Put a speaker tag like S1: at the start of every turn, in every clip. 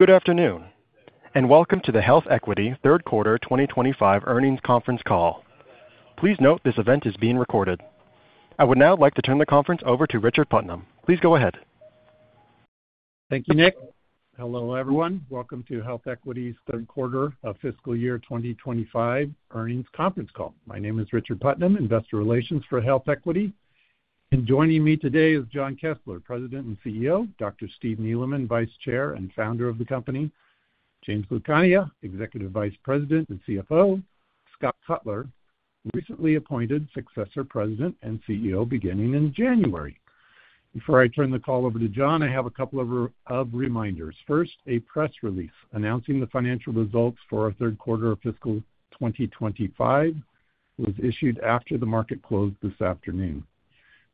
S1: Good afternoon, and welcome to the HealthEquity third quarter 2025 earnings conference call. Please note this event is being recorded. I would now like to turn the conference over to Richard Putnam. Please go ahead.
S2: Thank you, Nick. Hello, everyone. Welcome to HealthEquity's third quarter of fiscal year 2025 earnings conference call. My name is Richard Putnam, Investor Relations for HealthEquity. And joining me today is Jon Kessler, President and CEO, Dr. Steve Neeleman, Vice Chair and Founder of the company, James Lucania, Executive Vice President and CFO, Scott Cutler, recently appointed Successor President and CEO beginning in January. Before I turn the call over to Jon, I have a couple of reminders. First, a press release announcing the financial results for third quarter of fiscal 2025 was issued after the market closed this afternoon.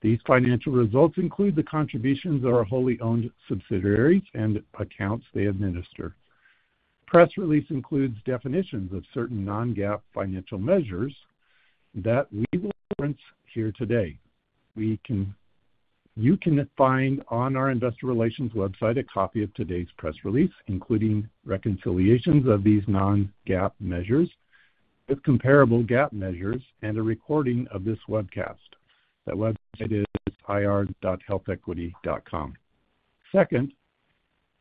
S2: These financial results include the contributions of our wholly owned subsidiaries and accounts they administer. The press release includes definitions of certain non-GAAP financial measures that we will reference here today. You can find on our Investor Relations website a copy of today's press release, including reconciliations of these non-GAAP measures with comparable GAAP measures and a recording of this webcast. That website is ir.healthequity.com. Second,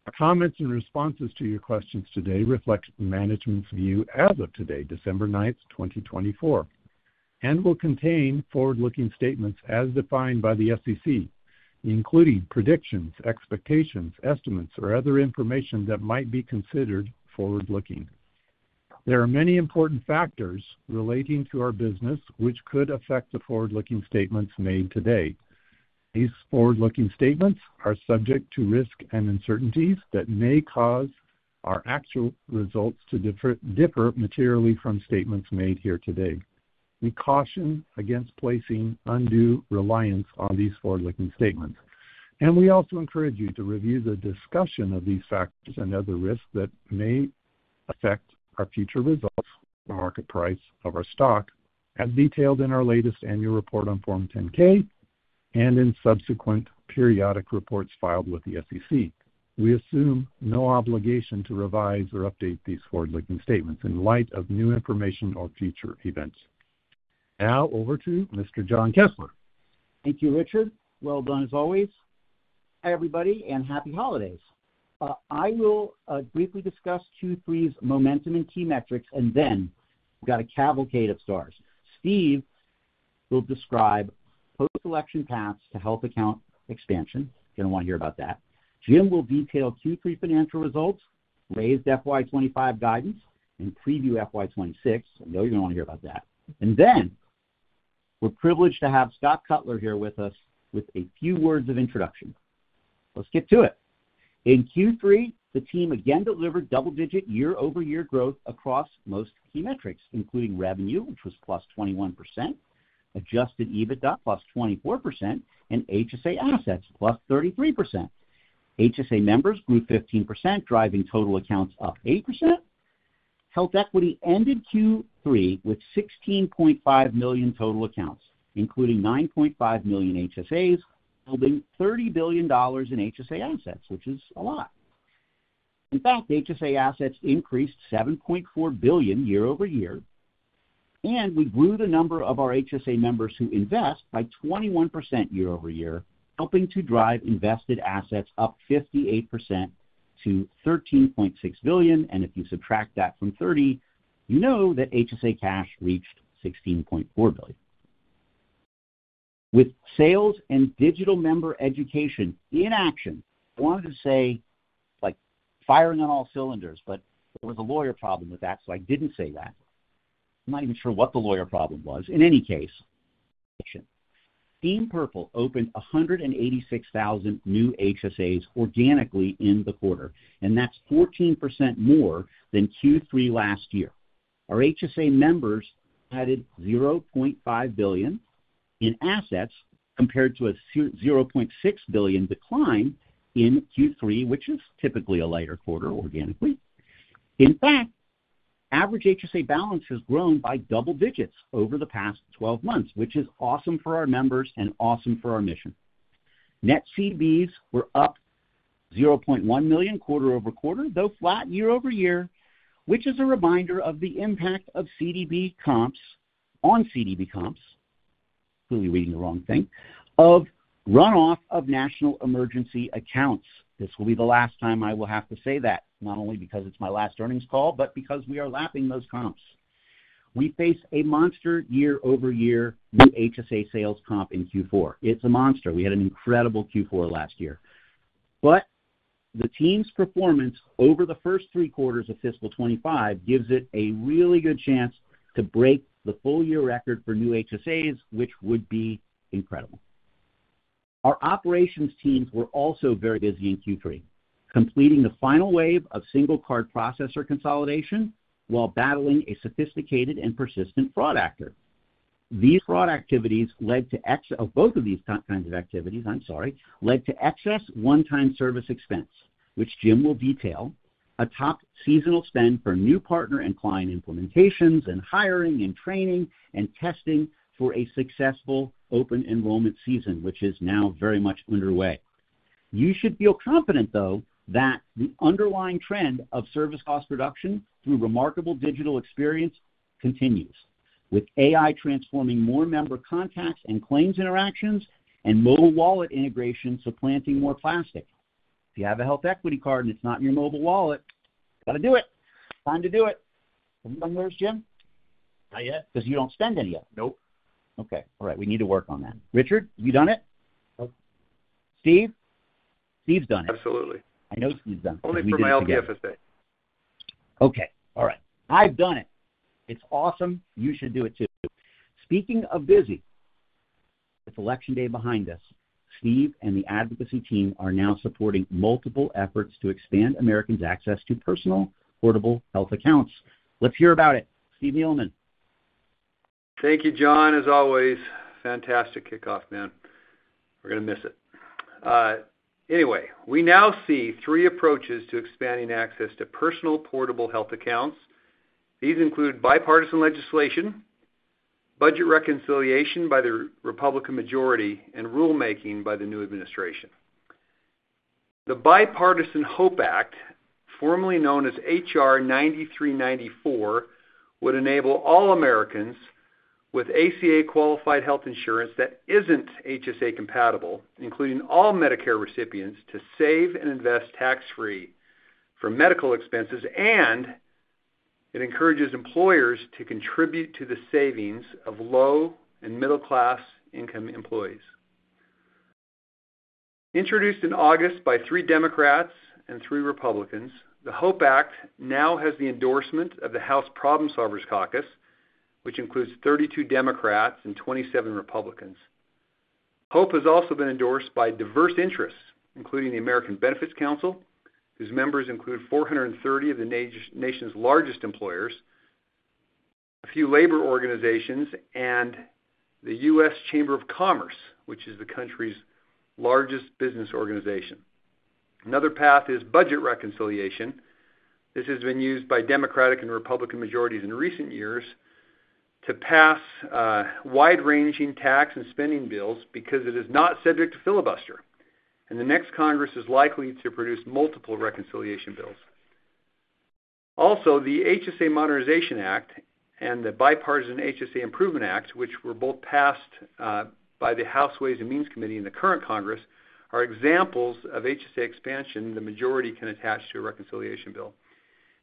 S2: our comments and responses to your questions today reflect management's view as of today, December 9th, 2024, and will contain forward-looking statements as defined by the SEC, including predictions, expectations, estimates, or other information that might be considered forward-looking. There are many important factors relating to our business which could affect the forward-looking statements made today. These forward-looking statements are subject to risk and uncertainties that may cause our actual results to differ materially from statements made here today. We caution against placing undue reliance on these forward-looking statements. We also encourage you to review the discussion of these factors and other risks that may affect our future results, the market price of our stock, as detailed in our latest annual report on Form 10-K and in subsequent periodic reports filed with the SEC. We assume no obligation to revise or update these forward-looking statements in light of new information or future events. Now, over to Mr. Jon Kessler.
S3: Thank you, Richard. Well done as always. Hi, everybody, and happy holidays. I will briefly discuss Q3's momentum and key metrics, and then we've got a cavalcade of stars. Steve will describe post-election paths to health account expansion. You're going to want to hear about that. Jim will detail Q3 financial results, raised FY 2025 guidance, and preview FY 2026. I know you're going to want to hear about that. And then we're privileged to have Scott Cutler here with us with a few words of introduction. Let's get to it. In Q3, the team again delivered double-digit year-over-year growth across most key metrics, including revenue, which was +21%, adjusted EBITDA +24%, and HSA assets +33%. HSA members grew 15%, driving total accounts up 8%. HealthEquity ended Q3 with 16.5 million total accounts, including 9.5 million HSAs, holding $30 billion in HSA assets, which is a lot. In fact, HSA assets increased $7.4 billion year-over-year, and we grew the number of our HSA members who invest by 21% year-over-year, helping to drive invested assets up 58% to $13.6 billion. If you subtract that from 30, you know that HSA cash reached $16.4 billion. With sales and digital member education in action, I wanted to say, like, firing on all cylinders, but there was a lawyer problem with that, so I didn't say that. I'm not even sure what the lawyer problem was. In any case, Team Purple opened 186,000 new HSAs organically in the quarter, and that's 14% more than Q3 last year. Our HSA members added $0.5 billion in assets compared to a $0.6 billion decline in Q3, which is typically a lighter quarter organically. In fact, average HSA balance has grown by double digits over the past 12 months, which is awesome for our members and awesome for our mission. Net CDBs were up 0.1 million quarter-over-quarter, though flat year-over-year, which is a reminder of the impact of CDB comps on CDB comps (clearly reading the wrong thing) of runoff of national emergency accounts. This will be the last time I will have to say that, not only because it's my last earnings call, but because we are lapping those comps. We face a monster year-over-year new HSA sales comp in Q4. It's a monster. We had an incredible Q4 last year. But the team's performance over the first three quarters of fiscal 2025 gives it a really good chance to break the full-year record for new HSAs, which would be incredible. Our operations teams were also very busy in Q3, completing the final wave of single-card processor consolidation while battling a sophisticated and persistent fraud actor. These fraud activities led to excess one-time service expense, which Jim will detail, a top seasonal spend for new partner and client implementations and hiring and training and testing for a successful open enrollment season, which is now very much underway. You should feel confident, though, that the underlying trend of service cost reduction through remarkable digital experience continues, with AI transforming more member contacts and claims interactions and mobile wallet integration supplanting more plastic. If you have a HealthEquity card and it's not in your mobile wallet, you got to do it. Time to do it. Anybody knows, Jim?
S4: Not yet.
S3: Because you don't spend any of it.
S4: Nope.
S3: Okay. All right. We need to work on that. Richard, have you done it?
S2: No.
S3: Steve? Steve's done it.
S5: Absolutely.
S3: I know Steve's done it.
S5: Only for my LPFSA.
S3: Okay. All right. I've done it. It's awesome. You should do it too. Speaking of busy, with election day behind us, Steve and the advocacy team are now supporting multiple efforts to expand Americans' access to personal, portable health accounts. Let's hear about it. Steve Neeleman.
S5: Thank you, Jon, as always. Fantastic kickoff, man. We're going to miss it. Anyway, we now see three approaches to expanding access to personal, portable health accounts. These include bipartisan legislation, budget reconciliation by the Republican majority, and rulemaking by the new administration. The Bipartisan HOPE Act, formerly known as HR 9394, would enable all Americans with ACA-qualified health insurance that isn't HSA-compatible, including all Medicare recipients, to save and invest tax-free for medical expenses, and it encourages employers to contribute to the savings of low and middle-class income employees. Introduced in August by three Democrats and three Republicans, the HOPE Act now has the endorsement of the House Problem Solvers Caucus, which includes 32 Democrats and 27 Republicans. HOPE has also been endorsed by diverse interests, including the American Benefits Council, whose members include 430 of the nation's largest employers, a few labor organizations, and the U.S. Chamber of Commerce, which is the country's largest business organization. Another path is budget reconciliation. This has been used by Democratic and Republican majorities in recent years to pass wide-ranging tax and spending bills because it is not subject to filibuster, and the next Congress is likely to produce multiple reconciliation bills. Also, the HSA Modernization Act and the Bipartisan HSA Improvement Act, which were both passed by the House Ways and Means Committee in the current Congress, are examples of HSA expansion the majority can attach to a reconciliation bill.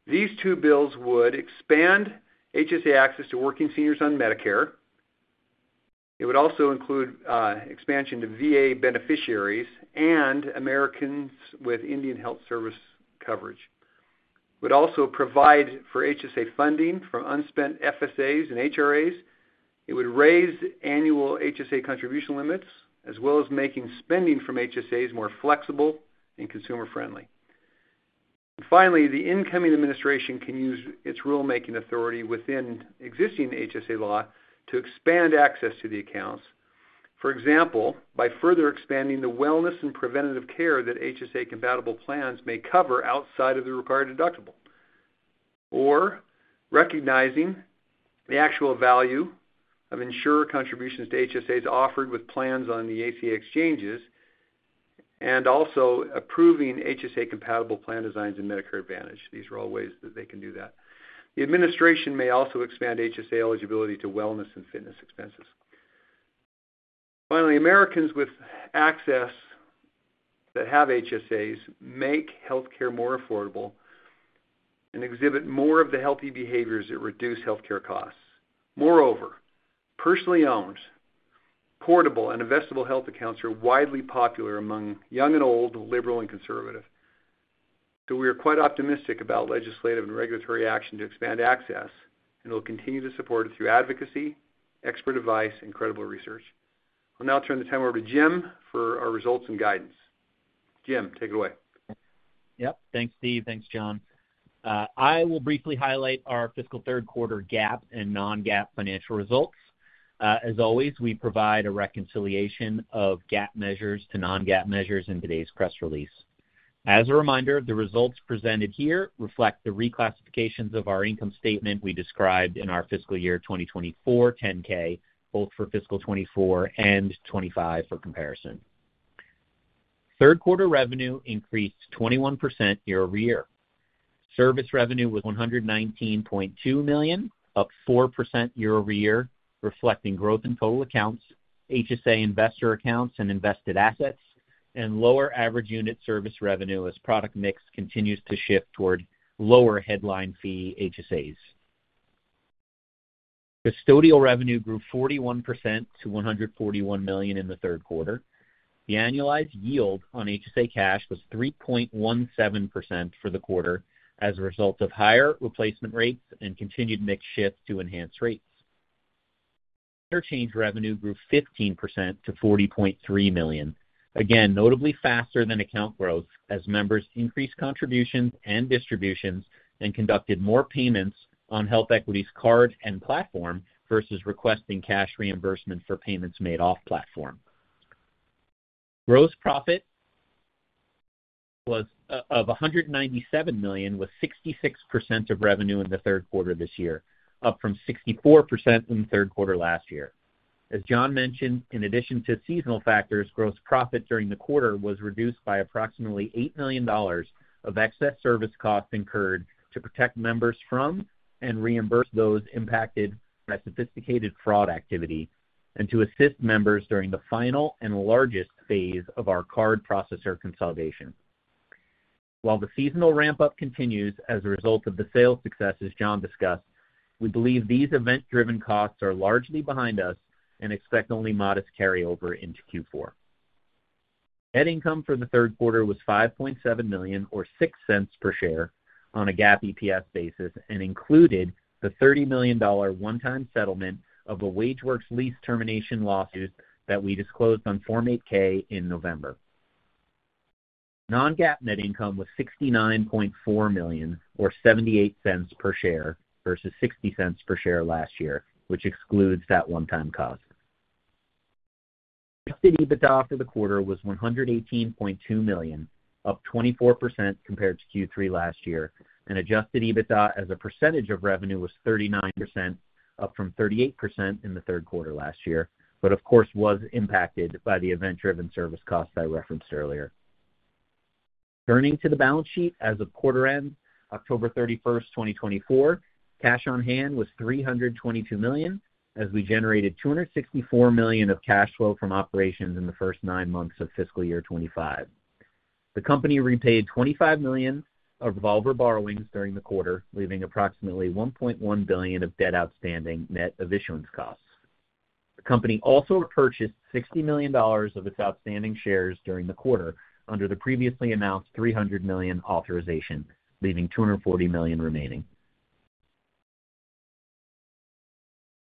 S5: These two bills would expand HSA access to working seniors on Medicare. It would also include expansion to VA beneficiaries and Americans with Indian Health Service coverage. It would also provide for HSA funding from unspent FSAs and HRAs. It would raise annual HSA contribution limits, as well as making spending from HSAs more flexible and consumer-friendly. Finally, the incoming administration can use its rulemaking authority within existing HSA law to expand access to the accounts, for example, by further expanding the wellness and preventative care that HSA-compatible plans may cover outside of the required deductible, or recognizing the actual value of insurer contributions to HSAs offered with plans on the ACA exchanges, and also approving HSA-compatible plan designs and Medicare Advantage. These are all ways that they can do that. The administration may also expand HSA eligibility to wellness and fitness expenses. Finally, Americans with access that have HSAs make healthcare more affordable and exhibit more of the healthy behaviors that reduce healthcare costs. Moreover, personally owned, portable, and investable health accounts are widely popular among young and old, liberal and conservative. So we are quite optimistic about legislative and regulatory action to expand access, and we'll continue to support it through advocacy, expert advice, and credible research. I'll now turn the time over to Jim for our results and guidance. Jim, take it away.
S4: Yep. Thanks, Steve. Thanks, Jon. I will briefly highlight our fiscal third quarter GAAP and non-GAAP financial results. As always, we provide a reconciliation of GAAP measures to non-GAAP measures in today's press release. As a reminder, the results presented here reflect the reclassifications of our income statement we described in our fiscal year 2024 10-K, both for fiscal 2024 and 2025 for comparison. Third quarter revenue increased 21% year-over-year. Service revenue was $119.2 million, up 4% year-over-year, reflecting growth in total accounts, HSA investor accounts, and invested assets, and lower average unit service revenue as product mix continues to shift toward lower headline fee HSAs. Custodial revenue grew 41% to $141 million in the third quarter. The annualized yield on HSA cash was 3.17% for the quarter as a result of higher replacement rates and continued mix shift to enhance rates. Interchange revenue grew 15% to $40.3 million, again, notably faster than account growth as members increased contributions and distributions and conducted more payments on HealthEquity's card and platform versus requesting cash reimbursement for payments made off-platform. Gross profit was $197 million, with 66% of revenue in the third quarter this year, up from 64% in the third quarter last year. As Jon mentioned, in addition to seasonal factors, gross profit during the quarter was reduced by approximately $8 million of excess service costs incurred to protect members from and reimburse those impacted by sophisticated fraud activity and to assist members during the final and largest phase of our card processor consolidation. While the seasonal ramp-up continues as a result of the sales successes Jon discussed, we believe these event-driven costs are largely behind us and expect only modest carryover into Q4. Net income for the third quarter was $5.7 million, or $0.06 per share on a GAAP EPS basis, and included the $30 million one-time settlement of the WageWorks lease termination lawsuits that we disclosed on Form 8-K in November. Non-GAAP net income was $69.4 million, or $0.78 per share versus $0.60 per share last year, which excludes that one-time cost. Adjusted EBITDA for the quarter was $118.2 million, up 24% compared to Q3 last year, and adjusted EBITDA as a percentage of revenue was 39%, up from 38% in the third quarter last year, but of course was impacted by the event-driven service costs I referenced earlier. Turning to the balance sheet as of quarter end, October 31st, 2024, cash on hand was $322 million as we generated $264 million of cash flow from operations in the first nine months of fiscal year 25. The company repaid $25 million of revolver borrowings during the quarter, leaving approximately $1.1 billion of debt outstanding net of issuance costs. The company also purchased $60 million of its outstanding shares during the quarter under the previously announced $300 million authorization, leaving $240 million remaining.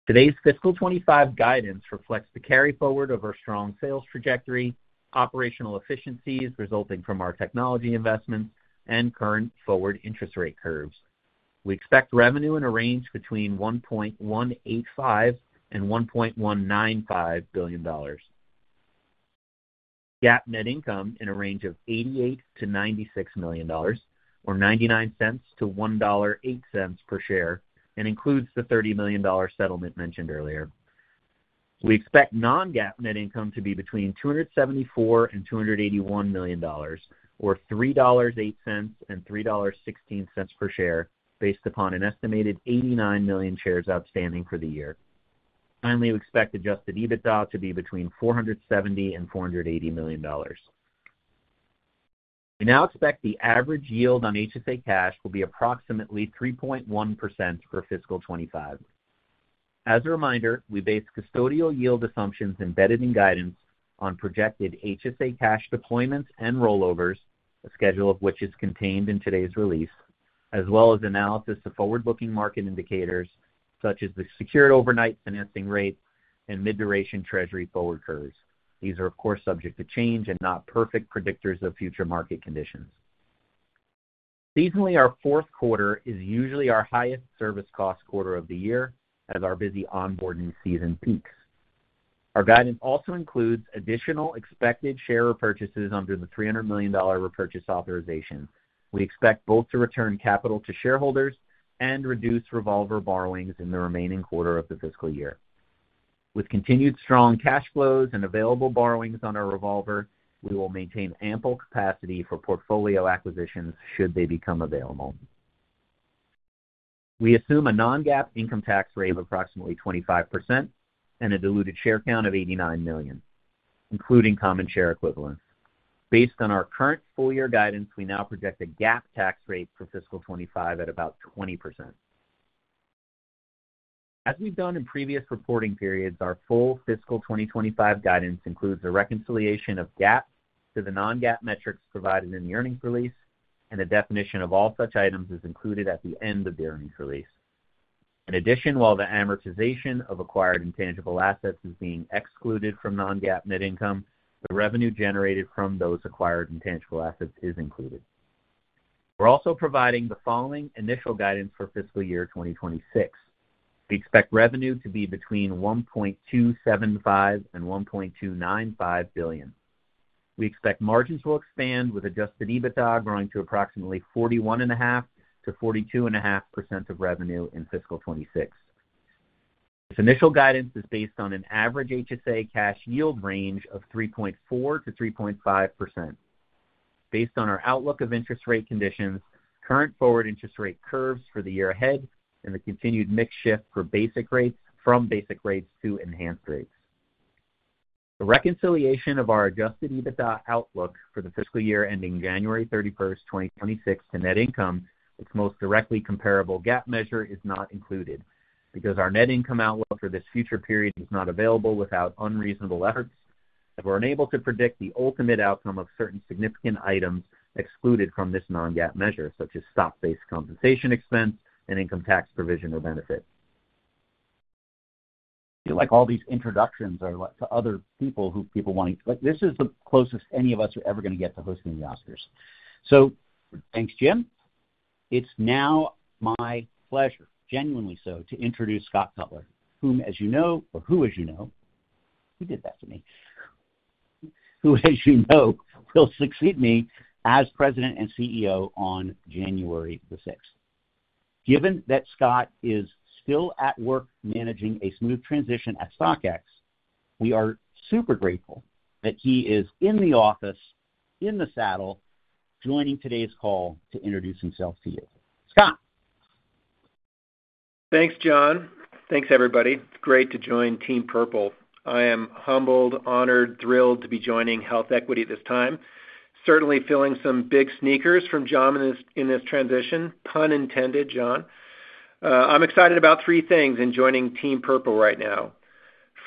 S4: Today's fiscal 2025 guidance reflects the carry forward of our strong sales trajectory, operational efficiencies resulting from our technology investments, and current forward interest rate curves. We expect revenue in a range between $1.185 billion and $1.195 billion. GAAP net income in a range of $88 million-$96 million, or $0.99-$1.08 per share, and includes the $30 million settlement mentioned earlier. We expect non-GAAP net income to be between $274 million and $281 million, or $3.08 and $3.16 per share, based upon an estimated 89 million shares outstanding for the year. Finally, we expect adjusted EBITDA to be between $470 million and $480 million. We now expect the average yield on HSA cash will be approximately 3.1% for fiscal 2025. As a reminder, we base custodial yield assumptions embedded in guidance on projected HSA cash deployments and rollovers, a schedule of which is contained in today's release, as well as analysis of forward-looking market indicators such as the Secured Overnight Financing Rate and mid-duration Treasury forward curves. These are, of course, subject to change and not perfect predictors of future market conditions. Seasonally, our fourth quarter is usually our highest service cost quarter of the year as our busy onboarding season peaks. Our guidance also includes additional expected share repurchases under the $300 million repurchase authorization. We expect both to return capital to shareholders and reduce revolver borrowings in the remaining quarter of the fiscal year. With continued strong cash flows and available borrowings on our revolver, we will maintain ample capacity for portfolio acquisitions should they become available. We assume a non-GAAP income tax rate of approximately 25% and a diluted share count of 89 million, including common share equivalents. Based on our current full-year guidance, we now project a GAAP tax rate for fiscal 2025 at about 20%. As we've done in previous reporting periods, our full fiscal 2025 guidance includes a reconciliation of GAAP to the non-GAAP metrics provided in the earnings release, and a definition of all such items is included at the end of the earnings release. In addition, while the amortization of acquired intangible assets is being excluded from non-GAAP net income, the revenue generated from those acquired intangible assets is included. We're also providing the following initial guidance for fiscal year 2026. We expect revenue to be between $1.275 billion and $1.295 billion. We expect margins will expand with adjusted EBITDA growing to approximately 41.5%-42.5% of revenue in fiscal 2026. This initial guidance is based on an average HSA cash yield range of 3.4%-3.5%. Based on our outlook of interest rate conditions, current forward interest rate curves for the year ahead and the continued mix shift from basic rates to enhanced rates. The reconciliation of our adjusted EBITDA outlook for the fiscal year ending January 31st, 2026, to net income, its most directly comparable GAAP measure is not included because our net income outlook for this future period is not available without unreasonable efforts. We're unable to predict the ultimate outcome of certain significant items excluded from this non-GAAP measure, such as stock-based compensation expense and income tax provision or benefit.
S3: I feel like all these introductions are to other people who people want to. This is the closest any of us are ever going to get to hosting the Oscars. So thanks, Jim. It's now my pleasure, genuinely so, to introduce Scott Cutler, whom, as you know, or who, as you know—he did that to me—who, as you know, will succeed me as President and CEO on January 6th. Given that Scott is still at work managing a smooth transition at StockX, we are super grateful that he is in the office, in the saddle, joining today's call to introduce himself to you. Scott?
S6: Thanks, Jon. Thanks, everybody. It's great to join Team Purple. I am humbled, honored, thrilled to be joining HealthEquity at this time, certainly feeling some big sneakers from Jon in this transition, pun intended, Jon. I'm excited about three things in joining Team Purple right now.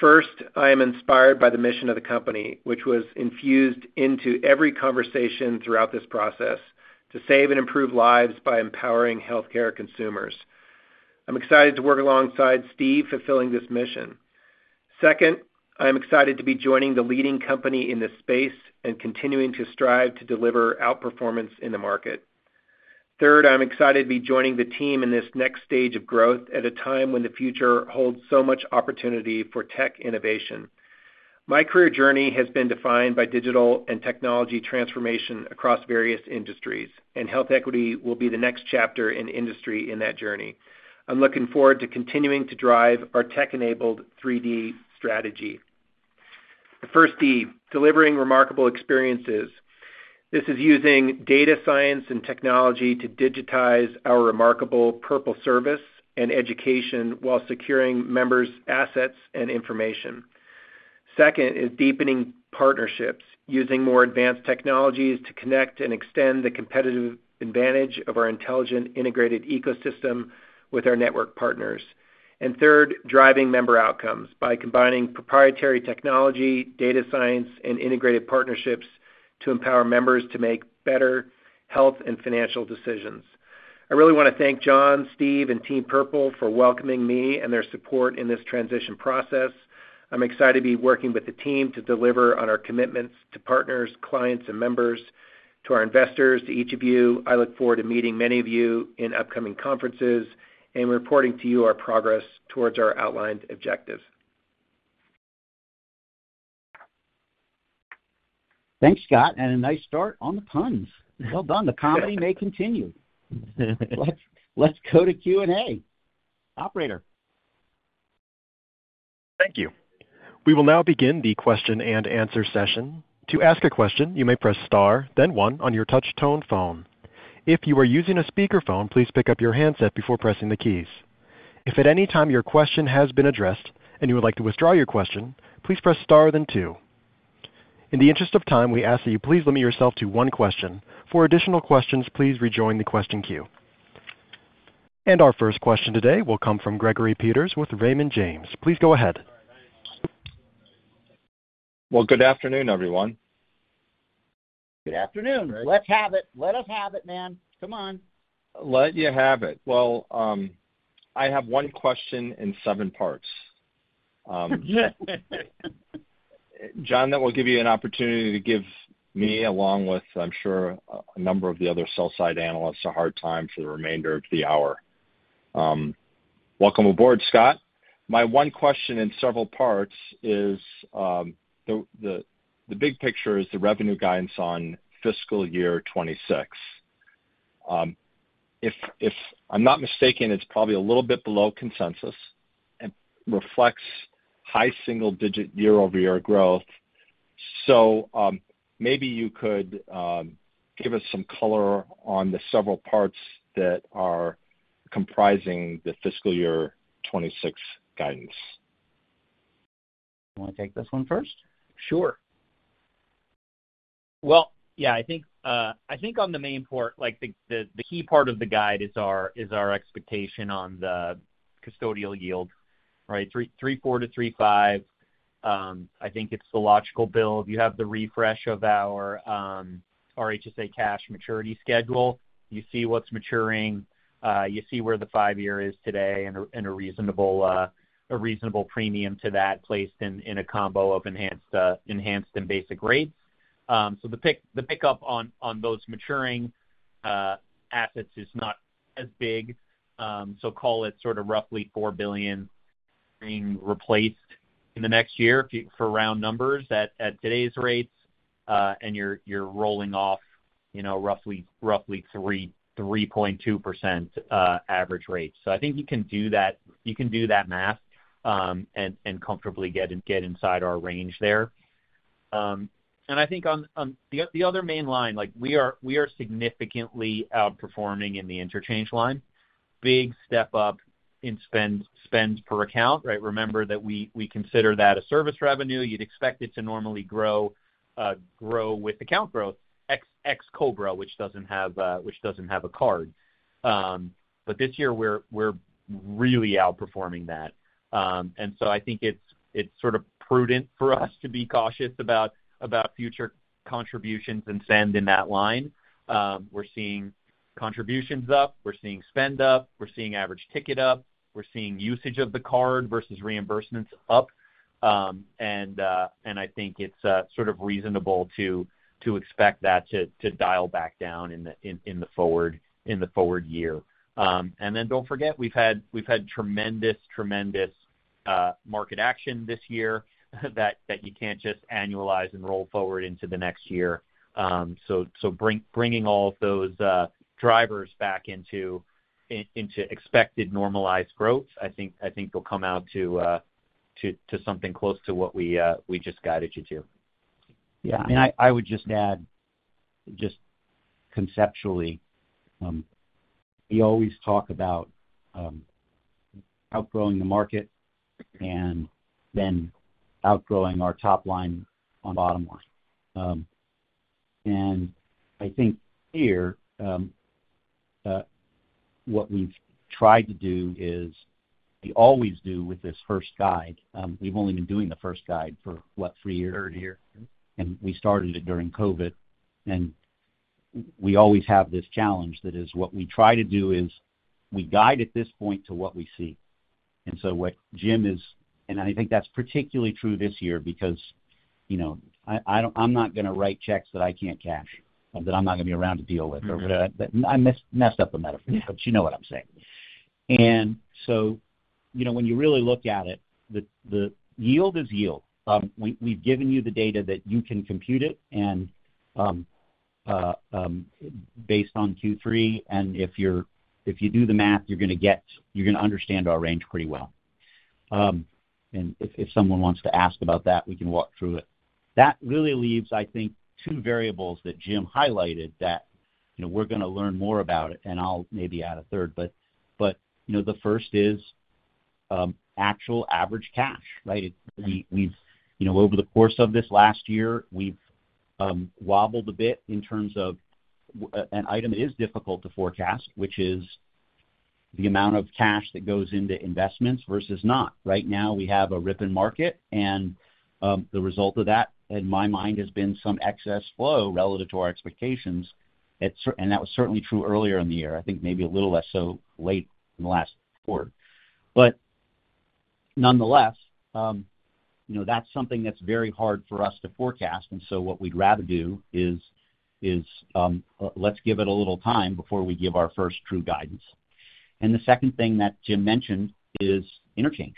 S6: First, I am inspired by the mission of the company, which was infused into every conversation throughout this process, to save and improve lives by empowering healthcare consumers. I'm excited to work alongside Steve fulfilling this mission. Second, I'm excited to be joining the leading company in this space and continuing to strive to deliver outperformance in the market. Third, I'm excited to be joining the team in this next stage of growth at a time when the future holds so much opportunity for tech innovation. My career journey has been defined by digital and technology transformation across various industries, and HealthEquity will be the next chapter in industry in that journey. I'm looking forward to continuing to drive our tech-enabled 3D strategy. First, delivering remarkable experiences. This is using data science and technology to digitize our remarkable Purple service and education while securing members' assets and information. Second, is deepening partnerships, using more advanced technologies to connect and extend the competitive advantage of our intelligent integrated ecosystem with our network partners. And third, driving member outcomes by combining proprietary technology, data science, and integrated partnerships to empower members to make better health and financial decisions. I really want to thank Jon, Steve, and Team Purple for welcoming me and their support in this transition process. I'm excited to be working with the team to deliver on our commitments to partners, clients, and members, to our investors, to each of you. I look forward to meeting many of you in upcoming conferences and reporting to you our progress towards our outlined objectives.
S3: Thanks, Scott, and a nice start on the puns. Well done. The comedy may continue. Let's go to Q&A. Operator?
S1: Thank you. We will now begin the question and answer session. To ask a question, you may press star, then one on your touch-tone phone. If you are using a speakerphone, please pick up your handset before pressing the keys. If at any time your question has been addressed and you would like to withdraw your question, please press star, then two. In the interest of time, we ask that you please limit yourself to one question. For additional questions, please rejoin the question queue. And our first question today will come from Gregory Peters with Raymond James. Please go ahead.
S7: Good afternoon, everyone.
S3: Good afternoon. Let's have it. Let us have it, man. Come on.
S7: Let me have it. Well, I have one question in seven parts. Jon, that will give you an opportunity to give me, along with, I'm sure, a number of the other sell-side analysts, a hard time for the remainder of the hour. Welcome aboard, Scott. My one question in several parts is the big picture is the revenue guidance on fiscal year 2026. If I'm not mistaken, it's probably a little bit below consensus and reflects high single-digit year-over-year growth. So maybe you could give us some color on the several parts that are comprising the fiscal year 2026 guidance.
S3: You want to take this one first?
S4: Sure. Well, yeah, I think on the main point, the key part of the guide is our expectation on the custodial yield, right? 3.4%-3.5%. I think it's the logical build. You have the refresh of our HSA cash maturity schedule. You see what's maturing. You see where the five-year is today and a reasonable premium to that placed in a combo of enhanced and basic rates. So the pickup on those maturing assets is not as big. So call it sort of roughly $4 billion being replaced in the next year for round numbers at today's rates, and you're rolling off roughly 3.2% average rate. So I think you can do that. You can do that math and comfortably get inside our range there. And I think on the other main line, we are significantly outperforming in the interchange line. Big step up in spend per account, right? Remember that we consider that a service revenue. You'd expect it to normally grow with account growth ex-COBRA, which doesn't have a card. But this year, we're really outperforming that. And so I think it's sort of prudent for us to be cautious about future contributions and spend in that line. We're seeing contributions up. We're seeing spend up. We're seeing average ticket up. We're seeing usage of the card versus reimbursements up. And I think it's sort of reasonable to expect that to dial back down in the forward year. And then don't forget, we've had tremendous, tremendous market action this year that you can't just annualize and roll forward into the next year. So bringing all of those drivers back into expected normalized growth, I think will come out to something close to what we just guided you to.
S3: Yeah, and I would just add, just conceptually, we always talk about outgrowing the market and then outgrowing our top line and bottom line. I think here what we've tried to do is what we always do with this first guide. We've only been doing the first guide for, what, three years?
S4: Three years.
S3: We started it during COVID. We always have this challenge that is what we try to do is we guide at this point to what we see. So what Jim is, and I think that's particularly true this year because I'm not going to write checks that I can't cash, that I'm not going to be around to deal with. I messed up the metaphor, but you know what I'm saying. So when you really look at it, the yield is yield. We've given you the data that you can compute it and based on Q3. If you do the math, you're going to understand our range pretty well. If someone wants to ask about that, we can walk through it. That really leaves, I think, two variables that Jim highlighted that we're going to learn more about it, and I'll maybe add a third. But the first is actual average cash, right? Over the course of this last year, we've wobbled a bit in terms of an item that is difficult to forecast, which is the amount of cash that goes into investments versus not. Right now, we have a rich market, and the result of that, in my mind, has been some excess flow relative to our expectations. And that was certainly true earlier in the year. I think maybe a little less so late in the last quarter. But nonetheless, that's something that's very hard for us to forecast. And so what we'd rather do is let's give it a little time before we give our first true guidance. The second thing that Jim mentioned is interchange.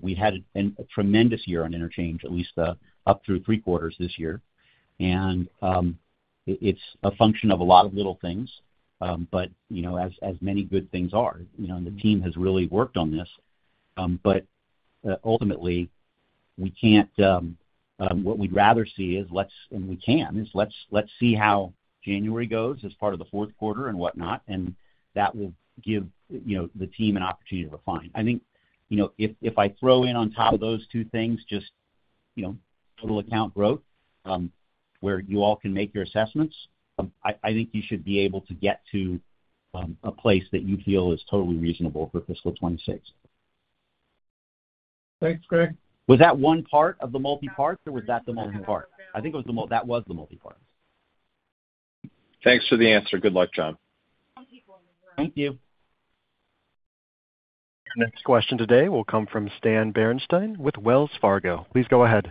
S3: We've had a tremendous year on interchange, at least up through three quarters this year. It's a function of a lot of little things, but as many good things are. The team has really worked on this. Ultimately, what we'd rather see is, and we can, is let's see how January goes as part of the fourth quarter and whatnot. That will give the team an opportunity to refine. I think if I throw in on top of those two things, just total account growth, where you all can make your assessments, I think you should be able to get to a place that you feel is totally reasonable for fiscal 2026.
S4: Thanks, Greg.
S3: Was that one part of the multi-part, or was that the multi-part? I think that was the multi-part.
S7: Thanks for the answer. Good luck, Jon.
S3: Thank you.
S1: Next question today will come from Stan Berenshteyn with Wells Fargo. Please go ahead.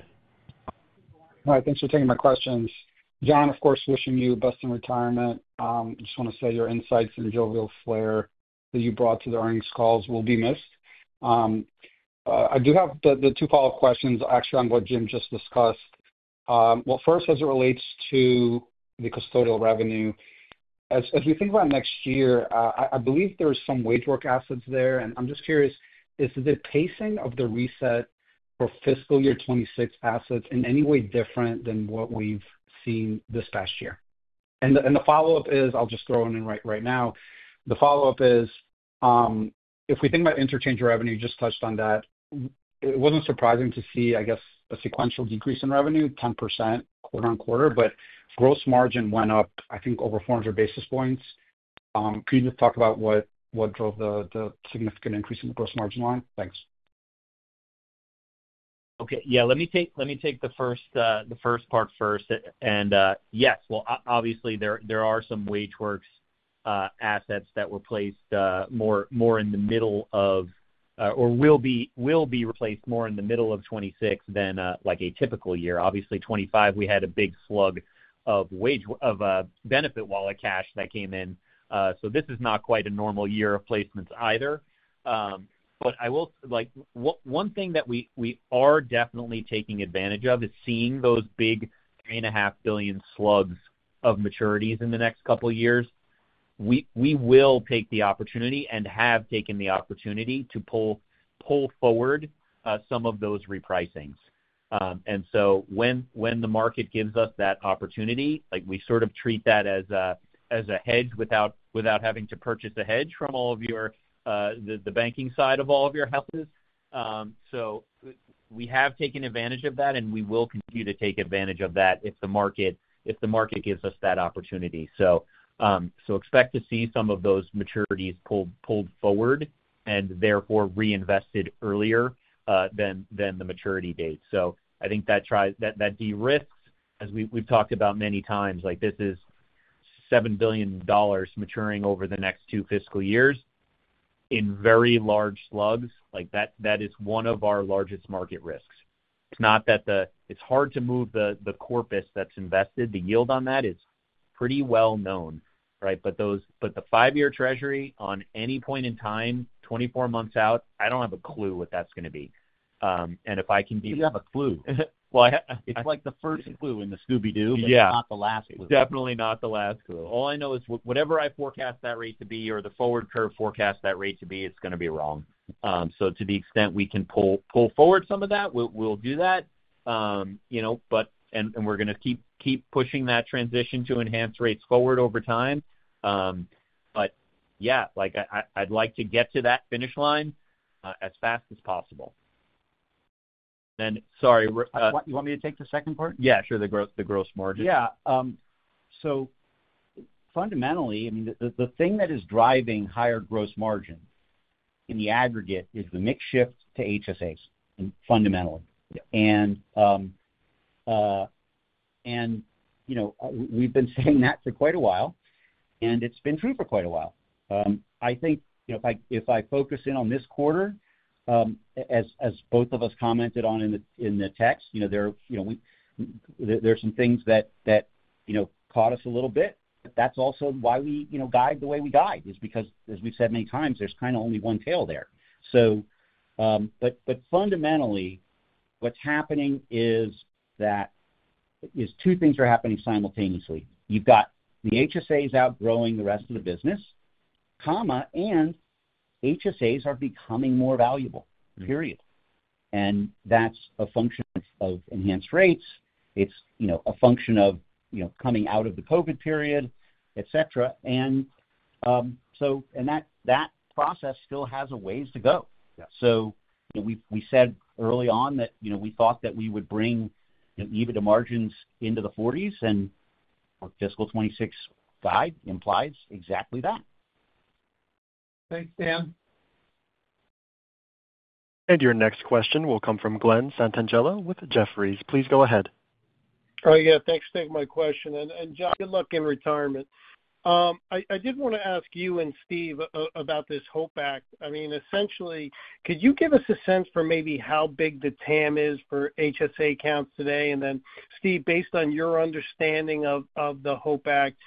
S8: All right. Thanks for taking my questions. Jon, of course, wishing you the best in retirement. I just want to say your insights and jovial flair that you brought to the earnings calls will be missed. I do have the two follow-up questions, actually, on what Jim just discussed. Well, first, as it relates to the custodial revenue, as we think about next year, I believe there are some WageWorks assets there. And I'm just curious, is the pacing of the reset for fiscal year 2026 assets in any way different than what we've seen this past year? And the follow-up is, I'll just throw in right now. The follow-up is, if we think about interchange revenue, you just touched on that. It wasn't surprising to see, I guess, a sequential decrease in revenue, 10% quarter on quarter, but gross margin went up, I think, over 400 basis points. Can you just talk about what drove the significant increase in the gross margin line? Thanks.
S3: Okay. Yeah. Let me take the first part first. Yes, well, obviously, there are some WageWorks assets that were placed more in the middle of or will be replaced more in the middle of 2026 than a typical year. Obviously, 2025, we had a big slug of BenefitWallet cash that came in. This is not quite a normal year of placements either. One thing that we are definitely taking advantage of is seeing those big $3.5 billion slugs of maturities in the next couple of years. We will take the opportunity and have taken the opportunity to pull forward some of those repricings. When the market gives us that opportunity, we sort of treat that as a hedge without having to purchase a hedge from all of the banking side of all of your houses. So we have taken advantage of that, and we will continue to take advantage of that if the market gives us that opportunity. So expect to see some of those maturities pulled forward and therefore reinvested earlier than the maturity date. So I think that derisks, as we've talked about many times, this is $7 billion maturing over the next two fiscal years in very large slugs. That is one of our largest market risks. It's not that it's hard to move the corpus that's invested. The yield on that is pretty well known, right? But the five-year Treasury, on any point in time, 24 months out, I don't have a clue what that's going to be. And if I can be—you have a clue. Well, it's like the first clue in the Scooby-Doo, but it's not the last clue.
S4: Definitely not the last clue. All I know is whatever I forecast that rate to be or the forward curve forecast that rate to be, it's going to be wrong, so to the extent we can pull forward some of that, we'll do that. And we're going to keep pushing that transition to enhanced rates forward over time, but yeah, I'd like to get to that finish line as fast as possible, and sorry.
S3: You want me to take the second part?
S4: Yeah, sure. The gross margin.
S3: Yeah, so fundamentally, I mean, the thing that is driving higher gross margin in the aggregate is the mix shift to HSAs, fundamentally. We've been saying that for quite a while, and it's been true for quite a while. I think if I focus in on this quarter, as both of us commented on in the text, there are some things that caught us a little bit. That's also why we guide the way we guide, is because, as we've said many times, there's kind of only one tail there, but fundamentally, what's happening is that two things are happening simultaneously. You've got the HSAs outgrowing the rest of the business, and HSAs are becoming more valuable, period, and that's a function of enhanced rates. It's a function of coming out of the COVID period, etc., and that process still has a ways to go. We said early on that we thought that we would bring EBITDA margins into the 40s, and our fiscal 2026 guide implies exactly that.
S8: Thanks, Jon.
S1: Your next question will come from Glen Santangelo with Jefferies. Please go ahead.
S9: Oh, yeah. Thanks for taking my question. And Jon, good luck in retirement. I did want to ask you and Steve about this HOPE Act. I mean, essentially, could you give us a sense for maybe how big the TAM is for HSA accounts today? And then, Steve, based on your understanding of the HOPE Act,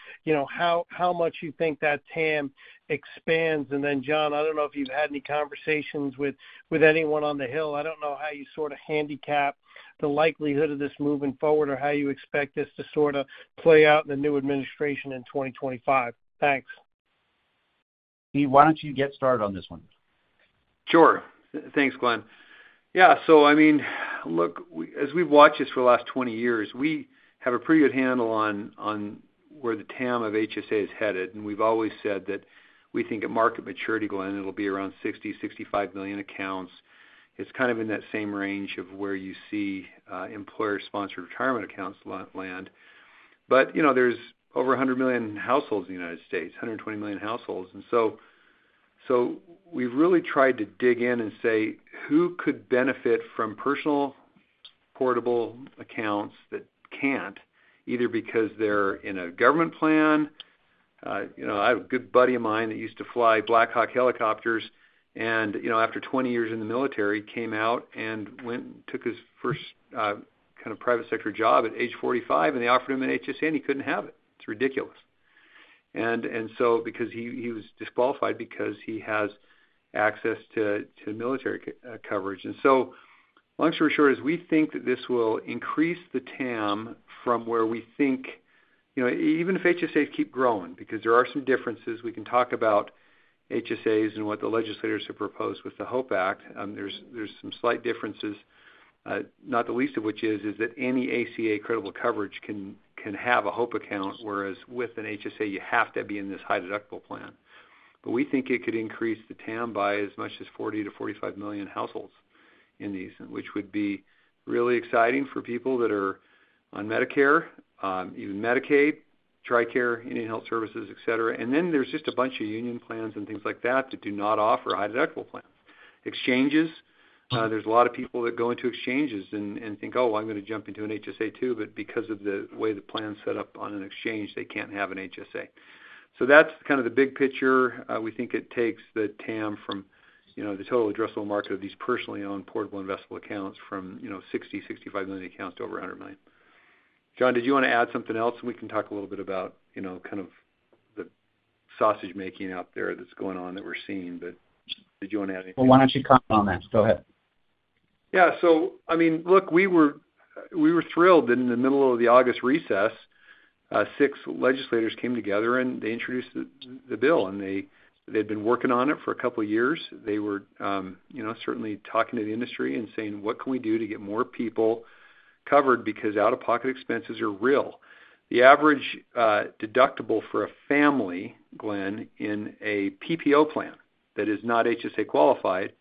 S9: how much you think that TAM expands? And then, Jon, I don't know if you've had any conversations with anyone on the Hill. I don't know how you sort of handicap the likelihood of this moving forward or how you expect this to sort of play out in the new administration in 2025. Thanks.
S3: Steve, why don't you get started on this one?
S5: Sure. Thanks, Glen. Yeah. So I mean, look, as we've watched this for the last 20 years, we have a pretty good handle on where the TAM of HSA is headed. And we've always said that we think at market maturity, Glen, it'll be around 60 million-65 million accounts. It's kind of in that same range of where you see employer-sponsored retirement accounts land. But there's over 100 million households in the United States, 120 million households. And so we've really tried to dig in and say, who could benefit from personal portable accounts that can't, either because they're in a government plan. I have a good buddy of mine that used to fly Black Hawk helicopters and, after 20 years in the military, came out and took his first kind of private sector job at age 45, and they offered him an HSA, and he couldn't have it. It's ridiculous. And so because he was disqualified because he has access to military coverage. So long story short, as we think that this will increase the TAM from where we think, even if HSAs keep growing, because there are some differences, we can talk about HSAs and what the legislators have proposed with the HOPE Act. There's some slight differences, not the least of which is that any ACA creditable coverage can have a HOPE account, whereas with an HSA, you have to be in this high deductible plan. But we think it could increase the TAM by as much as 40 million-45 million households in these, which would be really exciting for people that are on Medicare, even Medicaid, Tricare, Indian Health Service, etc. And then there's just a bunch of union plans and things like that that do not offer high deductible plans. Exchanges, there's a lot of people that go into exchanges and think, "Oh, I'm going to jump into an HSA too," but because of the way the plan's set up on an exchange, they can't have an HSA. So that's kind of the big picture. We think it takes the TAM from the total addressable market of these personally owned portable investable accounts from 60 million-65 million accounts to over 100 million. Jon, did you want to add something else? And we can talk a little bit about kind of the sausage-making out there that's going on that we're seeing. But did you want to add anything?
S3: Why don't you comment on that? Go ahead.
S5: Yeah. So I mean, look, we were thrilled in the middle of the August recess. Six legislators came together, and they introduced the bill. And they had been working on it for a couple of years. They were certainly talking to the industry and saying, "What can we do to get more people covered?" Because out-of-pocket expenses are real. The average deductible for a family, Glen, in a PPO plan that is not HSA qualified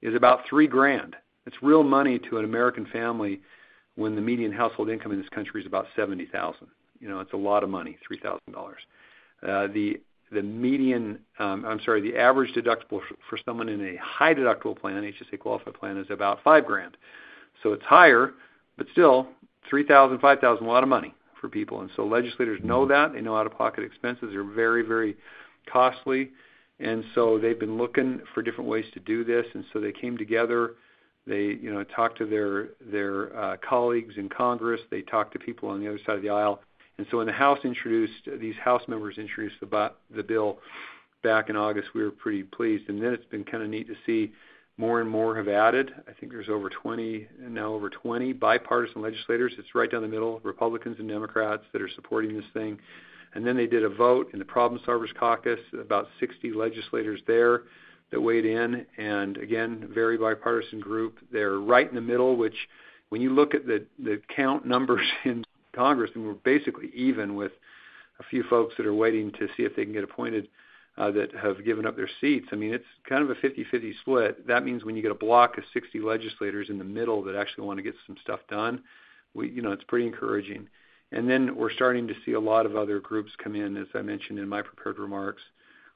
S5: is about 3 grand. It's real money to an American family when the median household income in this country is about 70,000. It's a lot of money, $3,000. The median, I'm sorry, the average deductible for someone in a high deductible plan, HSA qualified plan, is about 5 grand. So it's higher, but still, $3,000, $5,000, a lot of money for people. And so legislators know that. They know out-of-pocket expenses are very, very costly. And so they've been looking for different ways to do this. And so they came together. They talked to their colleagues in Congress. They talked to people on the other side of the aisle. And so when the House introduced, these House members introduced the bill back in August, we were pretty pleased. And then it's been kind of neat to see more and more have added. I think there's now over 20 bipartisan legislators. It's right down the middle, Republicans and Democrats that are supporting this thing. And then they did a vote in the House Problem Solvers Caucus, about 60 legislators there that weighed in. And again, very bipartisan group. They're right in the middle, which when you look at the count numbers in Congress, and we're basically even with a few folks that are waiting to see if they can get appointed that have given up their seats. I mean, it's kind of a 50/50 split. That means when you get a block of 60 legislators in the middle that actually want to get some stuff done, it's pretty encouraging, and then we're starting to see a lot of other groups come in, as I mentioned in my prepared remarks,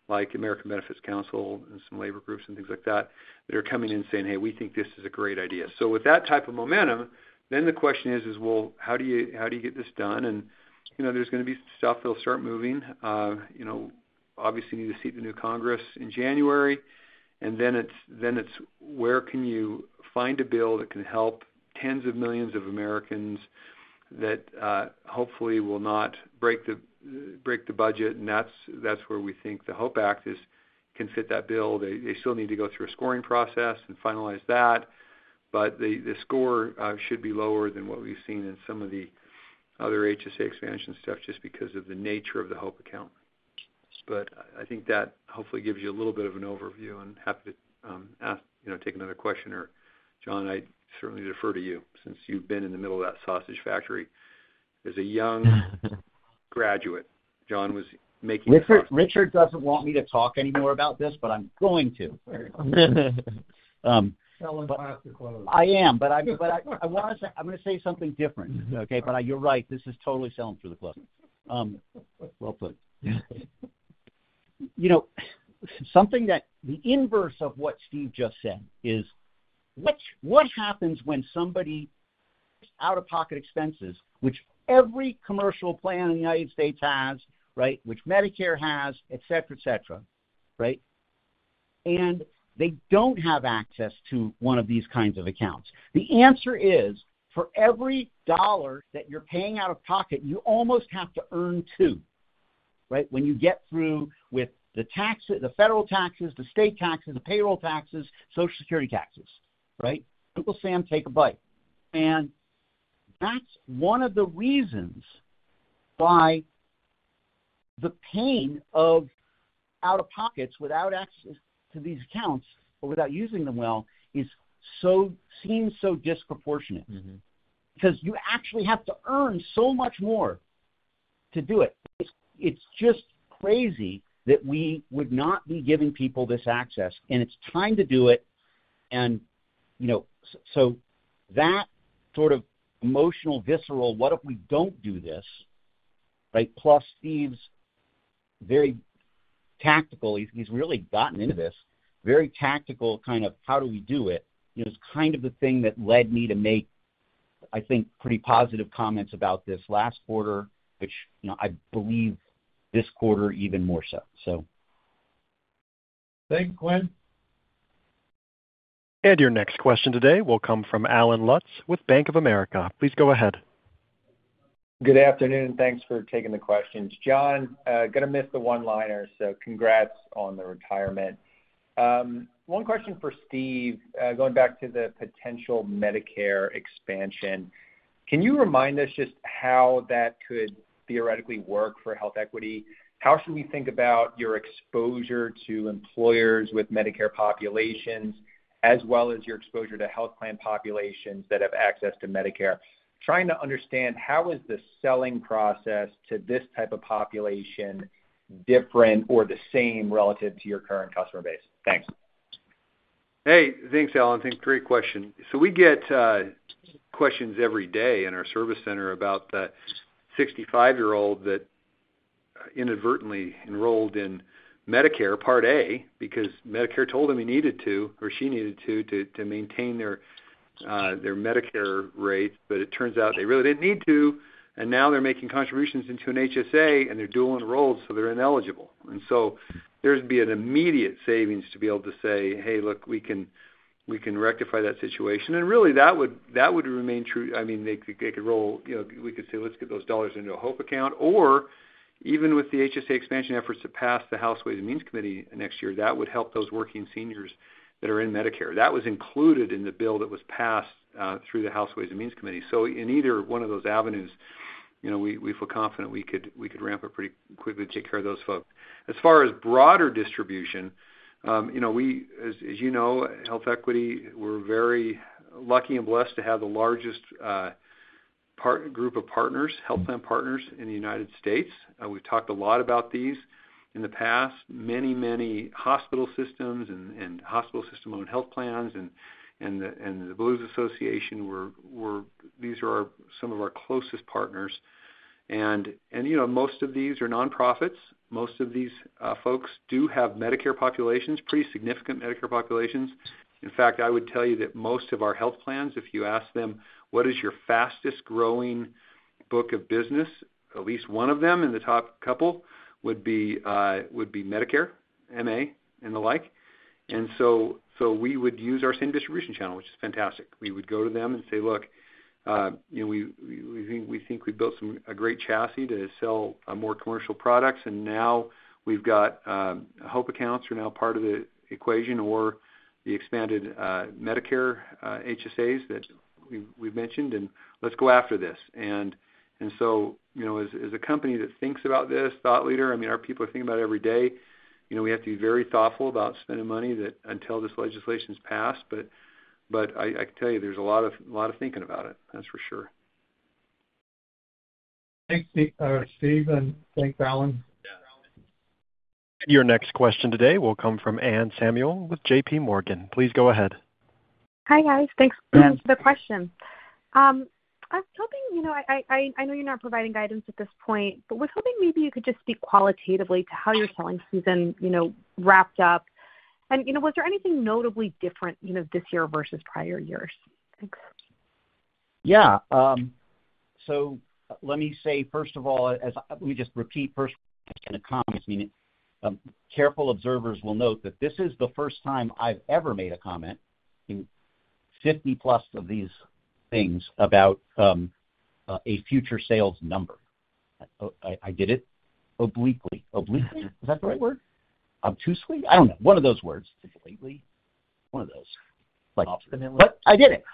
S5: like American Benefits Council and some labor groups and things like that, that are coming in saying, "Hey, we think this is a great idea," so with that type of momentum, then the question is, well, how do you get this done, and there's going to be some stuff that'll start moving. Obviously, you need to seat the new Congress in January, and then it's where can you find a bill that can help tens of millions of Americans that hopefully will not break the budget, and that's where we think the HOPE Act can fit that bill. They still need to go through a scoring process and finalize that. But the score should be lower than what we've seen in some of the other HSA expansion stuff just because of the nature of the HOPE account. But I think that hopefully gives you a little bit of an overview. I'm happy to take another question. Or Jon, I'd certainly defer to you since you've been in the middle of that sausage factory as a young graduate.
S2: Jon was making a point.
S3: Richard doesn't want me to talk anymore about this, but I'm going to.
S2: Tell him to pass the close.
S3: I am, but I want to say I'm going to say something different, okay? But you're right. This is totally selling through the close. Well put. Something that the inverse of what Steve just said is what happens when somebody, out-of-pocket expenses, which every commercial plan in the United States has, right, which Medicare has, etc., etc., right? And they don't have access to one of these kinds of accounts. The answer is, for every dollar that you're paying out of pocket, you almost have to earn two, right, when you get through with the federal taxes, the state taxes, the payroll taxes, Social Security taxes, right? It will say, "Take a bite." And that's one of the reasons why the pain of out-of-pockets without access to these accounts or without using them well seems so disproportionate because you actually have to earn so much more to do it. It's just crazy that we would not be giving people this access. And it's time to do it. And so that sort of emotional visceral, "What if we don't do this?" Right? Plus Steve's very tactical, he's really gotten into this, very tactical kind of, "How do we do it?" is kind of the thing that led me to make, I think, pretty positive comments about this last quarter, which I believe this quarter even more so, so. Thank you, Glen.
S1: Your next question today will come from Allen Lutz with Bank of America. Please go ahead.
S10: Good afternoon. Thanks for taking the questions. Jon, going to miss the one-liner, so congrats on the retirement. One question for Steve. Going back to the potential Medicare expansion, can you remind us just how that could theoretically work for HealthEquity? How should we think about your exposure to employers with Medicare populations as well as your exposure to health plan populations that have access to Medicare? Trying to understand how is the selling process to this type of population different or the same relative to your current customer base? Thanks.
S5: Hey, thanks, Allen. That's a great question. So we get questions every day in our service center about the 65-year-old that inadvertently enrolled in Medicare Part A because Medicare told him he needed to or she needed to to maintain their Medicare rates. But it turns out they really didn't need to, and now they're making contributions into an HSA, and they're dual-enrolled, so they're ineligible. And so there'd be an immediate savings to be able to say, "Hey, look, we can rectify that situation." And really, that would remain true. I mean, they could roll—we could say, "Let's get those dollars into a HOPE account." Or even with the HSA expansion efforts to pass the House Ways and Means Committee next year, that would help those working seniors that are in Medicare. That was included in the bill that was passed through the House Ways and Means Committee. So in either one of those avenues, we feel confident we could ramp up pretty quickly to take care of those folks. As far as broader distribution, as you know, HealthEquity, we're very lucky and blessed to have the largest group of partners, health plan partners in the United States. We've talked a lot about these in the past. Many, many hospital systems and hospital system-owned health plans and the Blue Shield Association were, these are some of our closest partners. And most of these are nonprofits. Most of these folks do have Medicare populations, pretty significant Medicare populations. In fact, I would tell you that most of our health plans, if you ask them, "What is your fastest-growing book of business?" At least one of them in the top couple would be Medicare, MA, and the like. And so we would use our same distribution channel, which is fantastic. We would go to them and say, "Look, we think we built a great chassis to sell more commercial products, and now we've got HOPE accounts are now part of the equation or the expanded Medicare HSAs that we've mentioned, and let's go after this." And so as a company that thinks about this, thought leader, I mean, our people are thinking about it every day. We have to be very thoughtful about spending money until this legislation's passed. But I can tell you there's a lot of thinking about it, that's for sure.
S3: Thanks, Steve. Thanks, Allen.
S1: And your next question today will come from Anne Samuel with JPMorgan. Please go ahead.
S11: Hi, guys. Thanks for the question. I was hoping, I know you're not providing guidance at this point, but was hoping maybe you could just speak qualitatively to how your selling season wrapped up, and was there anything notably different this year versus prior years? Thanks.
S3: Yeah. So let me say, first of all, let me just repeat first in a comment. I mean, careful observers will note that this is the first time I've ever made a comment in 50+ of these things about a future sales number. I did it obliquely. Obliquely. Is that the right word? Obtusely? I don't know. One of those words. Obliquely. One of those. But I did it.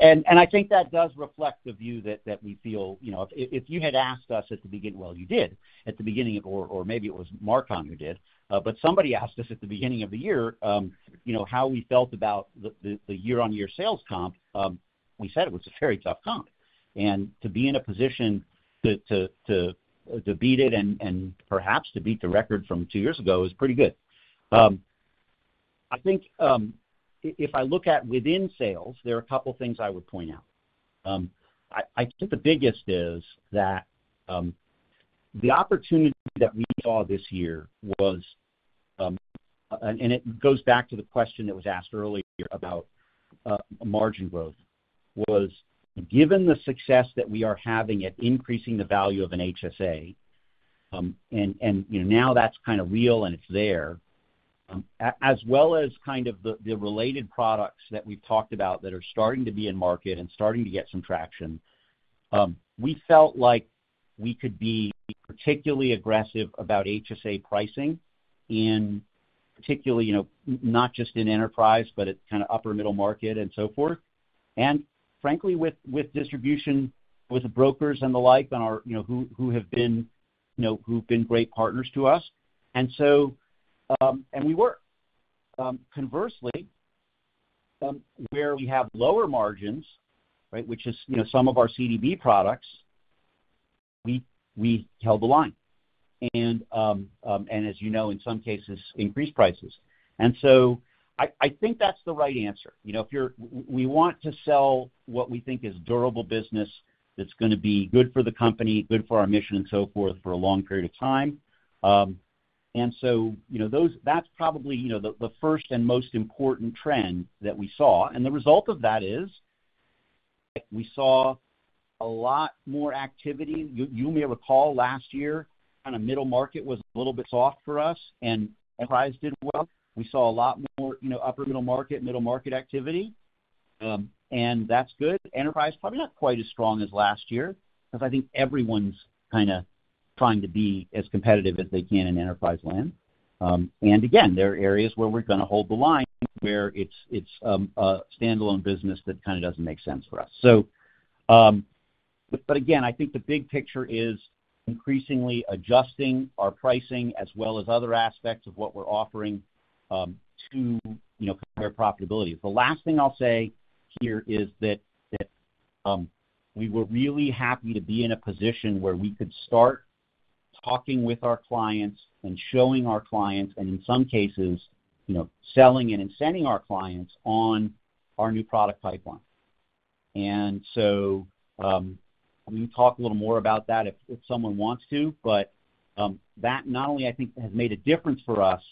S3: And I think that does reflect the view that we feel. If you had asked us at the beginning, well, you did at the beginning, or maybe it was Mark Marcon who did, but somebody asked us at the beginning of the year how we felt about the year-on-year sales comp, we said it was a very tough comp. And to be in a position to beat it and perhaps to beat the record from two years ago is pretty good. I think if I look at within sales, there are a couple of things I would point out. I think the biggest is that the opportunity that we saw this year was, and it goes back to the question that was asked earlier about margin growth, was, given the success that we are having at increasing the value of an HSA, and now that's kind of real and it's there, as well as kind of the related products that we've talked about that are starting to be in market and starting to get some traction, we felt like we could be particularly aggressive about HSA pricing, particularly not just in enterprise, but at kind of upper-middle market and so forth, and frankly, with distribution, with the brokers and the like and who have been great partners to us, and we were. Conversely, where we have lower margins, right, which is some of our CDB products, we held the line. And as you know, in some cases, increased prices. And so I think that's the right answer. We want to sell what we think is durable business that's going to be good for the company, good for our mission, and so forth for a long period of time. And so that's probably the first and most important trend that we saw. And the result of that is we saw a lot more activity. You may recall last year, kind of middle market was a little bit soft for us, and enterprise did well. We saw a lot more upper-middle market, middle market activity. And that's good. Enterprise is probably not quite as strong as last year because I think everyone's kind of trying to be as competitive as they can in enterprise land. And again, there are areas where we're going to hold the line where it's a standalone business that kind of doesn't make sense for us. But again, I think the big picture is increasingly adjusting our pricing as well as other aspects of what we're offering to compare profitability. The last thing I'll say here is that we were really happy to be in a position where we could start talking with our clients and showing our clients, and in some cases, selling and incenting our clients on our new product pipeline. And so we can talk a little more about that if someone wants to. But that not only, I think, has made a difference for us,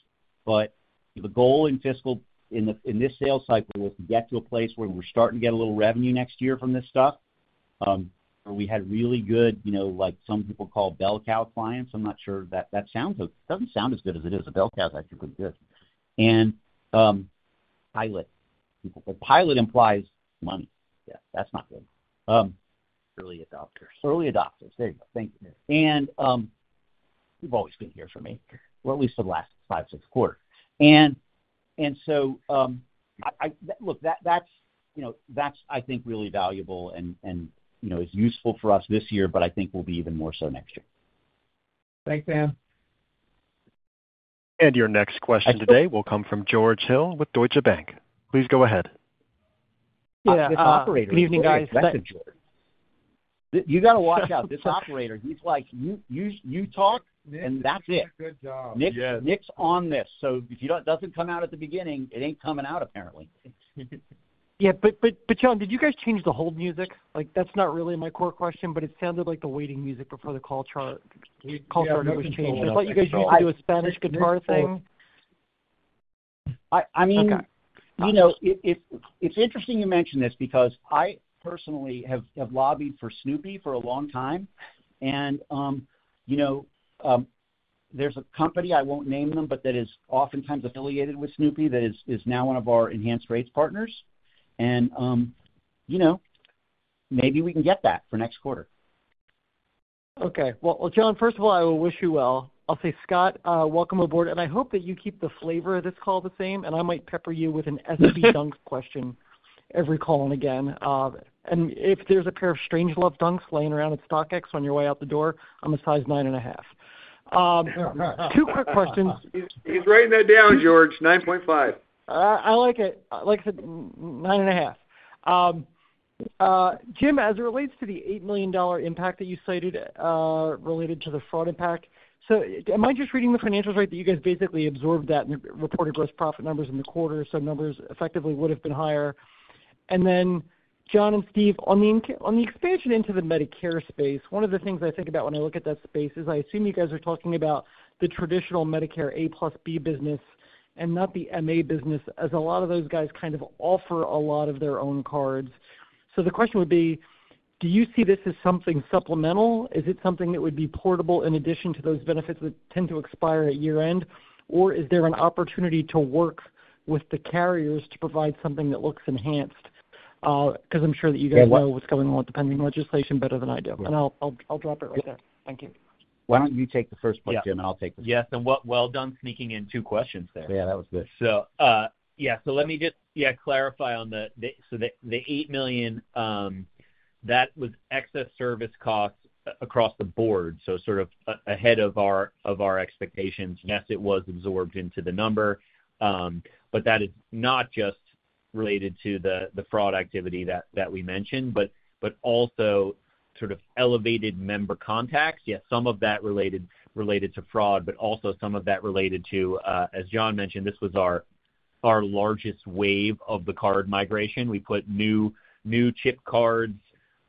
S3: but the goal in this sales cycle was to get to a place where we're starting to get a little revenue next year from this stuff, where we had really good, like some people call bell cow clients. I'm not sure that sounds, it doesn't sound as good as it is. A bell cow is actually pretty good. And pilot. Pilot implies money. Yeah. That's not good. Early adopters. Early adopters. There you go. Thank you. And you've always been here for me, or at least for the last five, six quarters. And so look, that's, I think, really valuable and is useful for us this year, but I think will be even more so next year. Thanks, Anne.
S1: And your next question today will come from George Hill with Deutsche Bank. Please go ahead.
S12: Yeah. Good evening, guys.
S3: You got to watch out. This operator, he's like, "You talk and that's it." Nick's on this. So if it doesn't come out at the beginning, it ain't coming out apparently.
S12: Yeah. But Jon, did you guys change the hold music? That's not really my core question, but it sounded like the waiting music before the call started was changed. I thought you guys used to do a Spanish guitar thing.
S3: I mean, it's interesting you mention this because I personally have lobbied for Snoopy for a long time. And there's a company, I won't name them, but that is oftentimes affiliated with Snoopy that is now one of our enhanced rates partners. And maybe we can get that for next quarter.
S12: Okay. Well, Jon, first of all, I will wish you well. I'll say, "Scott, welcome aboard." And I hope that you keep the flavor of this call the same. And I might pepper you with an SB Dunks question every call and again. And if there's a pair of StrangeLove Dunks lying around at StockX on your way out the door, I'm a size 9 1/2. Two quick questions.
S3: He's writing that down, George. 9.5.
S12: I like it. Like I said, 9 1/2. Jim, as it relates to the $8 million impact that you cited related to the fraud impact, so am I just reading the financials right? That you guys basically absorbed that and reported gross profit numbers in the quarter, so numbers effectively would have been higher. And then, Jon and Steve, on the expansion into the Medicare space, one of the things I think about when I look at that space is I assume you guys are talking about the traditional Medicare A plus B business and not the MA business, as a lot of those guys kind of offer a lot of their own cards. So the question would be, do you see this as something supplemental? Is it something that would be portable in addition to those benefits that tend to expire at year-end? Or is there an opportunity to work with the carriers to provide something that looks enhanced? Because I'm sure that you guys know what's going on with pending legislation better than I do. And I'll drop it right there. Thank you.
S3: Why don't you take the first question, and I'll take the second?
S4: Yes. And well done sneaking in two questions there.
S3: Yeah, that was good.
S4: Yeah. Let me just, yeah, clarify on the $8 million. That was excess service costs across the board, so sort of ahead of our expectations. Yes, it was absorbed into the number. But that is not just related to the fraud activity that we mentioned, but also sort of elevated member contacts. Yes, some of that related to fraud, but also some of that related to, as Jon mentioned, this was our largest wave of the card migration. We put new chip cards,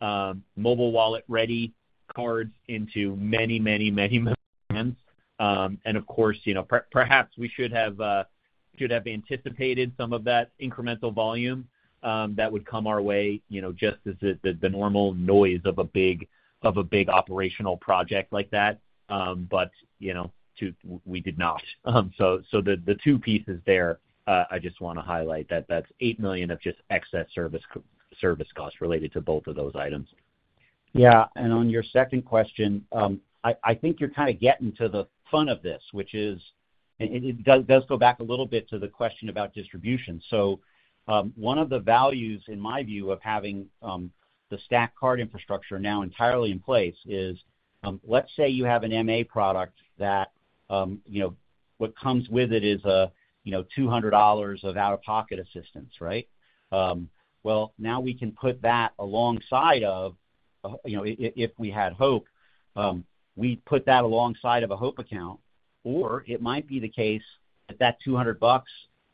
S4: mobile wallet-ready cards into many, many, many plans. And of course, perhaps we should have anticipated some of that incremental volume that would come our way just as the normal noise of a big operational project like that. But we did not. The two pieces there, I just want to highlight that that's $8 million of just excess service costs related to both of those items.
S3: Yeah. And on your second question, I think you're kind of getting to the fun of this, which is it does go back a little bit to the question about distribution. So one of the values, in my view, of having the stacked card infrastructure now entirely in place is let's say you have an MA product that what comes with it is $200 of out-of-pocket assistance, right? Well, now we can put that alongside of, if we had HOPE, we'd put that alongside of a HOPE account. Or it might be the case that that 200 bucks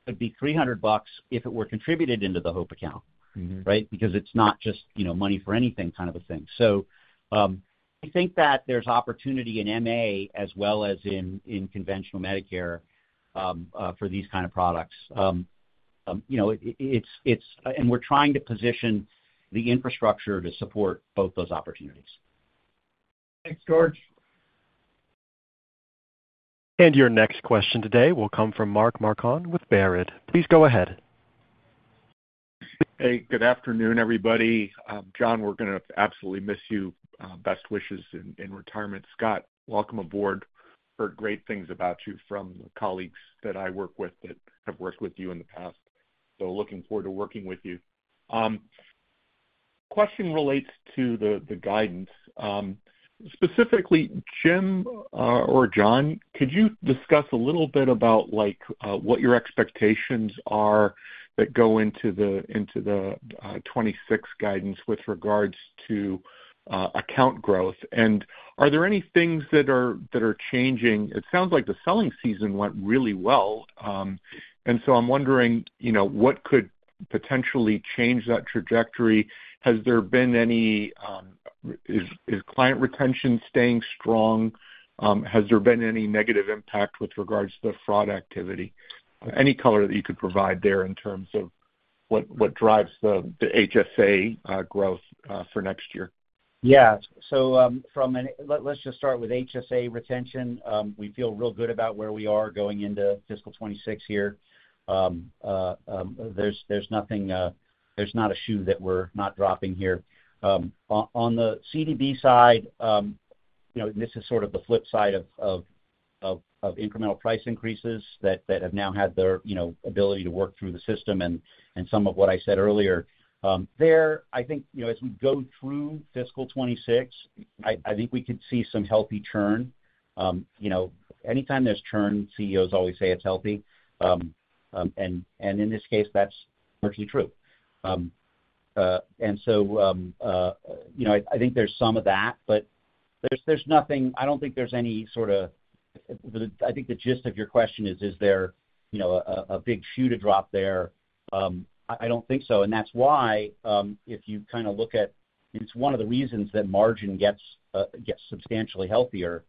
S3: could be 300 bucks if it were contributed into the HOPE account, right? Because it's not just money for anything kind of a thing. So I think that there's opportunity in MA as well as in conventional Medicare for these kind of products. We're trying to position the infrastructure to support both those opportunities.
S4: Thanks, George.
S1: And your next question today will come from Mark Marcon with Baird. Please go ahead.
S13: Hey, good afternoon, everybody. Jon, we're going to absolutely miss you. Best wishes in retirement. Scott, welcome aboard. Heard great things about you from the colleagues that I work with that have worked with you in the past. So looking forward to working with you. Question relates to the guidance. Specifically, Jim or Jon, could you discuss a little bit about what your expectations are that go into the 2026 guidance with regards to account growth? And are there any things that are changing? It sounds like the selling season went really well. And so I'm wondering what could potentially change that trajectory? Has there been any? Is client retention staying strong? Has there been any negative impact with regards to the fraud activity? Any color that you could provide there in terms of what drives the HSA growth for next year?
S3: Yeah. So let's just start with HSA retention. We feel real good about where we are going into fiscal 2026 here. There's not a shoe that we're not dropping here. On the CDB side, this is sort of the flip side of incremental price increases that have now had their ability to work through the system and some of what I said earlier. There, I think as we go through fiscal 2026, I think we could see some healthy churn. Anytime there's churn, CEOs always say it's healthy. And in this case, that's largely true. And so I think there's some of that, but there's nothing. I don't think there's any sort of. I think the gist of your question is, is there a big shoe to drop there? I don't think so. And that's why if you kind of look at, it's one of the reasons that margin gets substantially healthier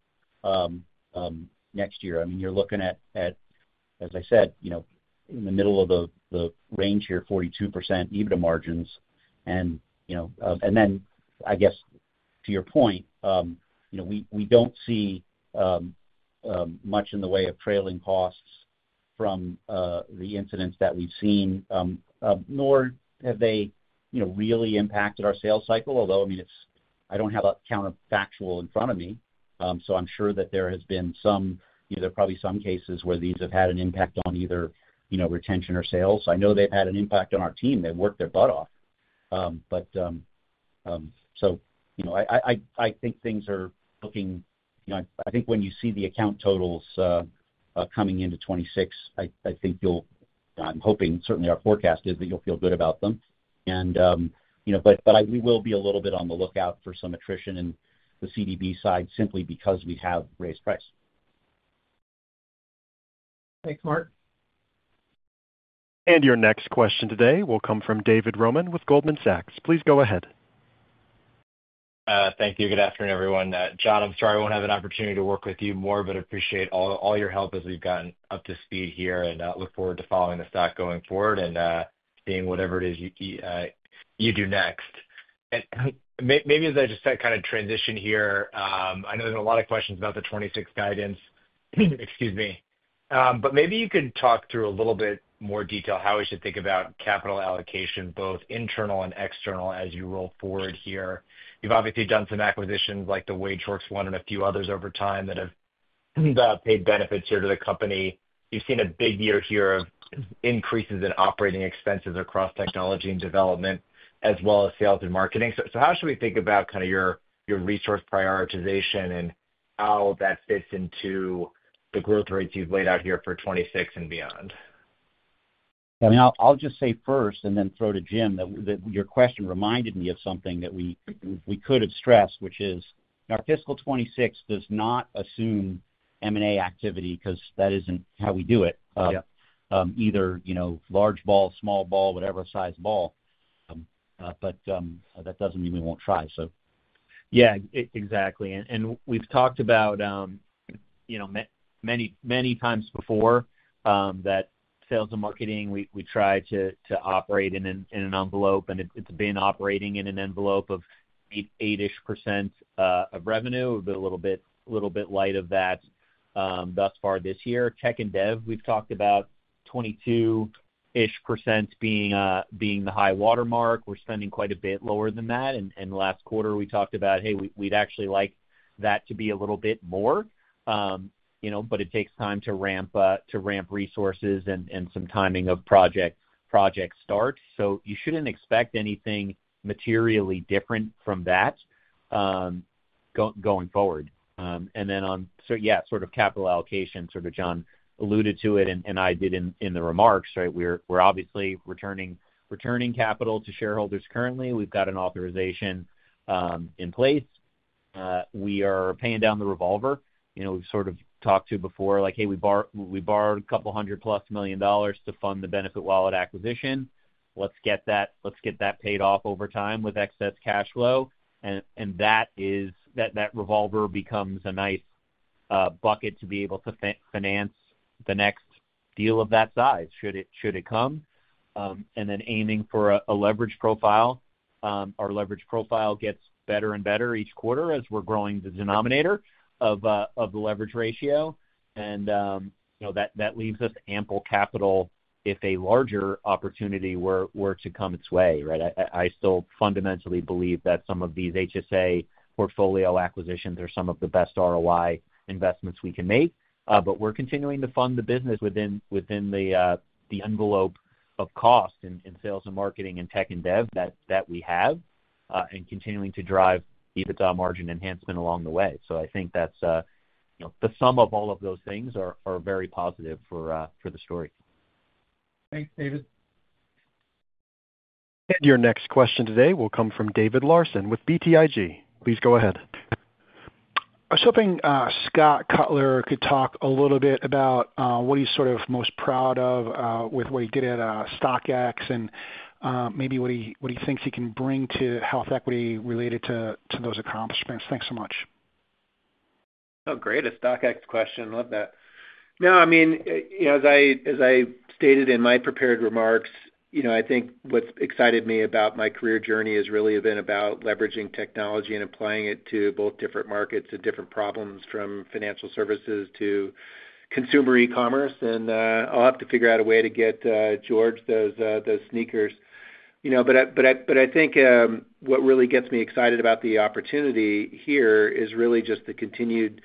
S3: next year. I mean, you're looking at, as I said, in the middle of the range here, 42% EBITDA margins. And then, I guess, to your point, we don't see much in the way of trailing costs from the incidents that we've seen, nor have they really impacted our sales cycle. Although, I mean, I don't have a counterfactual in front of me. So I'm sure that there has been some, there are probably some cases where these have had an impact on either retention or sales. I know they've had an impact on our team. They've worked their butt off. But so I think things are looking, I think when you see the account totals coming into 2026, I think you'll, I'm hoping, certainly our forecast is that you'll feel good about them. We will be a little bit on the lookout for some attrition in the CDB side simply because we have raised price.
S4: Thanks, Mark.
S1: Your next question today will come from David Roman with Goldman Sachs. Please go ahead.
S14: Thank you. Good afternoon, everyone. Jon, I'm sorry I won't have an opportunity to work with you more, but appreciate all your help as we've gotten up to speed here and look forward to following the stock going forward and seeing whatever it is you do next. And maybe as I just kind of transition here, I know there's a lot of questions about the 2026 guidance. Excuse me. But maybe you could talk through a little bit more detail how we should think about capital allocation, both internal and external, as you roll forward here. You've obviously done some acquisitions like the WageWorks one and a few others over time that have paid benefits here to the company. You've seen a big year here of increases in operating expenses across technology and development as well as sales and marketing. So how should we think about kind of your resource prioritization and how that fits into the growth rates you've laid out here for 2026 and beyond?
S3: Yeah. I mean, I'll just say first and then throw to Jim that your question reminded me of something that we could have stressed, which is our fiscal 2026 does not assume M&A activity because that isn't how we do it. Either large ball, small ball, whatever size ball. But that doesn't mean we won't try, so.
S4: Yeah. Exactly. And we've talked about many times before that sales and marketing, we try to operate in an envelope, and it's been operating in an envelope of 8-ish% of revenue, a little bit light of that thus far this year. Tech and dev, we've talked about 22-ish% being the high watermark. We're spending quite a bit lower than that. And last quarter, we talked about, "Hey, we'd actually like that to be a little bit more." But it takes time to ramp resources and some timing of project start. So you shouldn't expect anything materially different from that going forward. And then on, yeah, sort of capital allocation, sort of Jon alluded to it and I did in the remarks, right? We're obviously returning capital to shareholders currently. We've got an authorization in place. We are paying down the revolver. We've sort of talked about before, like, "Hey, we borrowed a couple hundred plus million dollars to fund the BenefitWallet acquisition. Let's get that paid off over time with excess cash flow." And that revolver becomes a nice bucket to be able to finance the next deal of that size should it come. And then aiming for a leverage profile. Our leverage profile gets better and better each quarter as we're growing the denominator of the leverage ratio. And that leaves us ample capital if a larger opportunity were to come its way, right? I still fundamentally believe that some of these HSA portfolio acquisitions are some of the best ROI investments we can make. But we're continuing to fund the business within the envelope of cost in sales and marketing and tech and dev that we have and continuing to drive EBITDA margin enhancement along the way. So I think that's the sum of all of those things are very positive for the story.
S3: Thanks, David.
S1: And your next question today will come from David Larsen with BTIG. Please go ahead.
S15: I was hoping Scott Cutler could talk a little bit about what he's sort of most proud of with what he did at StockX and maybe what he thinks he can bring to HealthEquity related to those accomplishments. Thanks so much.
S6: Oh, great. A StockX question. Love that. No, I mean, as I stated in my prepared remarks, I think what's excited me about my career journey has really been about leveraging technology and applying it to both different markets and different problems from financial services to consumer e-commerce. And I'll have to figure out a way to get George those sneakers. But I think what really gets me excited about the opportunity here is really just the continued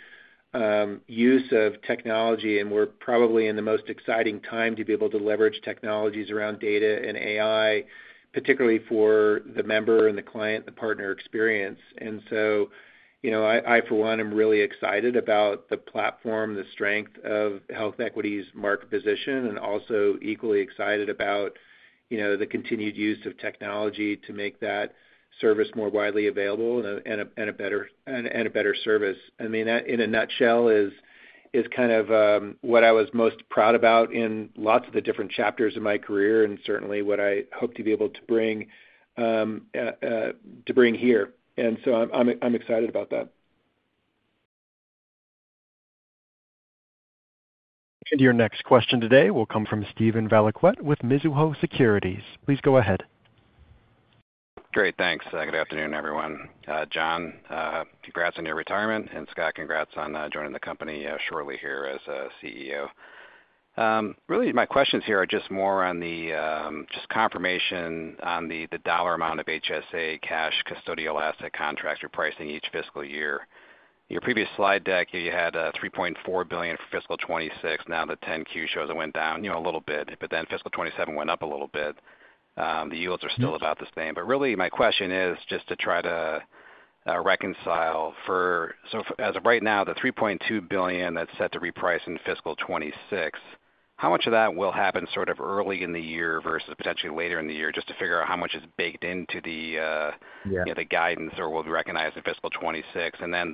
S6: use of technology. And we're probably in the most exciting time to be able to leverage technologies around data and AI, particularly for the member and the client, the partner experience. And so I, for one, am really excited about the platform, the strength of HealthEquity's market position, and also equally excited about the continued use of technology to make that service more widely available and a better service. I mean, that in a nutshell is kind of what I was most proud about in lots of the different chapters of my career and certainly what I hope to be able to bring here. And so I'm excited about that.
S1: Your next question today will come from Steven Valiquette with Mizuho Securities. Please go ahead.
S16: Great. Thanks. Good afternoon, everyone. Jon, congrats on your retirement. And Scott, congrats on joining the company shortly here as CEO. Really, my questions here are just more on the just confirmation on the dollar amount of HSA cash custodial asset contract repricing each fiscal year. Your previous slide deck, you had $3.4 billion for fiscal 2026. Now the 10-Q shows it went down a little bit, but then fiscal 2027 went up a little bit. The yields are still about the same. But really, my question is just to try to reconcile for so as of right now, the $3.2 billion that's set to reprice in fiscal 2026, how much of that will happen sort of early in the year versus potentially later in the year just to figure out how much is baked into the guidance or will be recognized in fiscal 2026? And then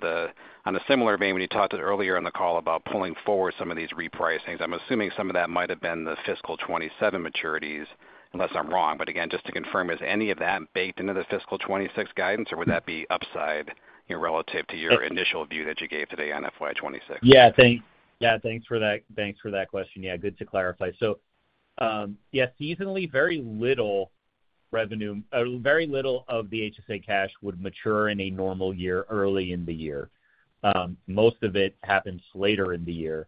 S16: on a similar vein, when you talked earlier on the call about pulling forward some of these repricings, I'm assuming some of that might have been the fiscal 2027 maturities, unless I'm wrong. But again, just to confirm, is any of that baked into the fiscal 2026 guidance, or would that be upside relative to your initial view that you gave today on FY 2026?
S5: Yeah. Yeah. Thanks for that question. Yeah. Good to clarify. So yeah, seasonally, very little revenue, very little of the HSA cash would mature in a normal year early in the year. Most of it happens later in the year.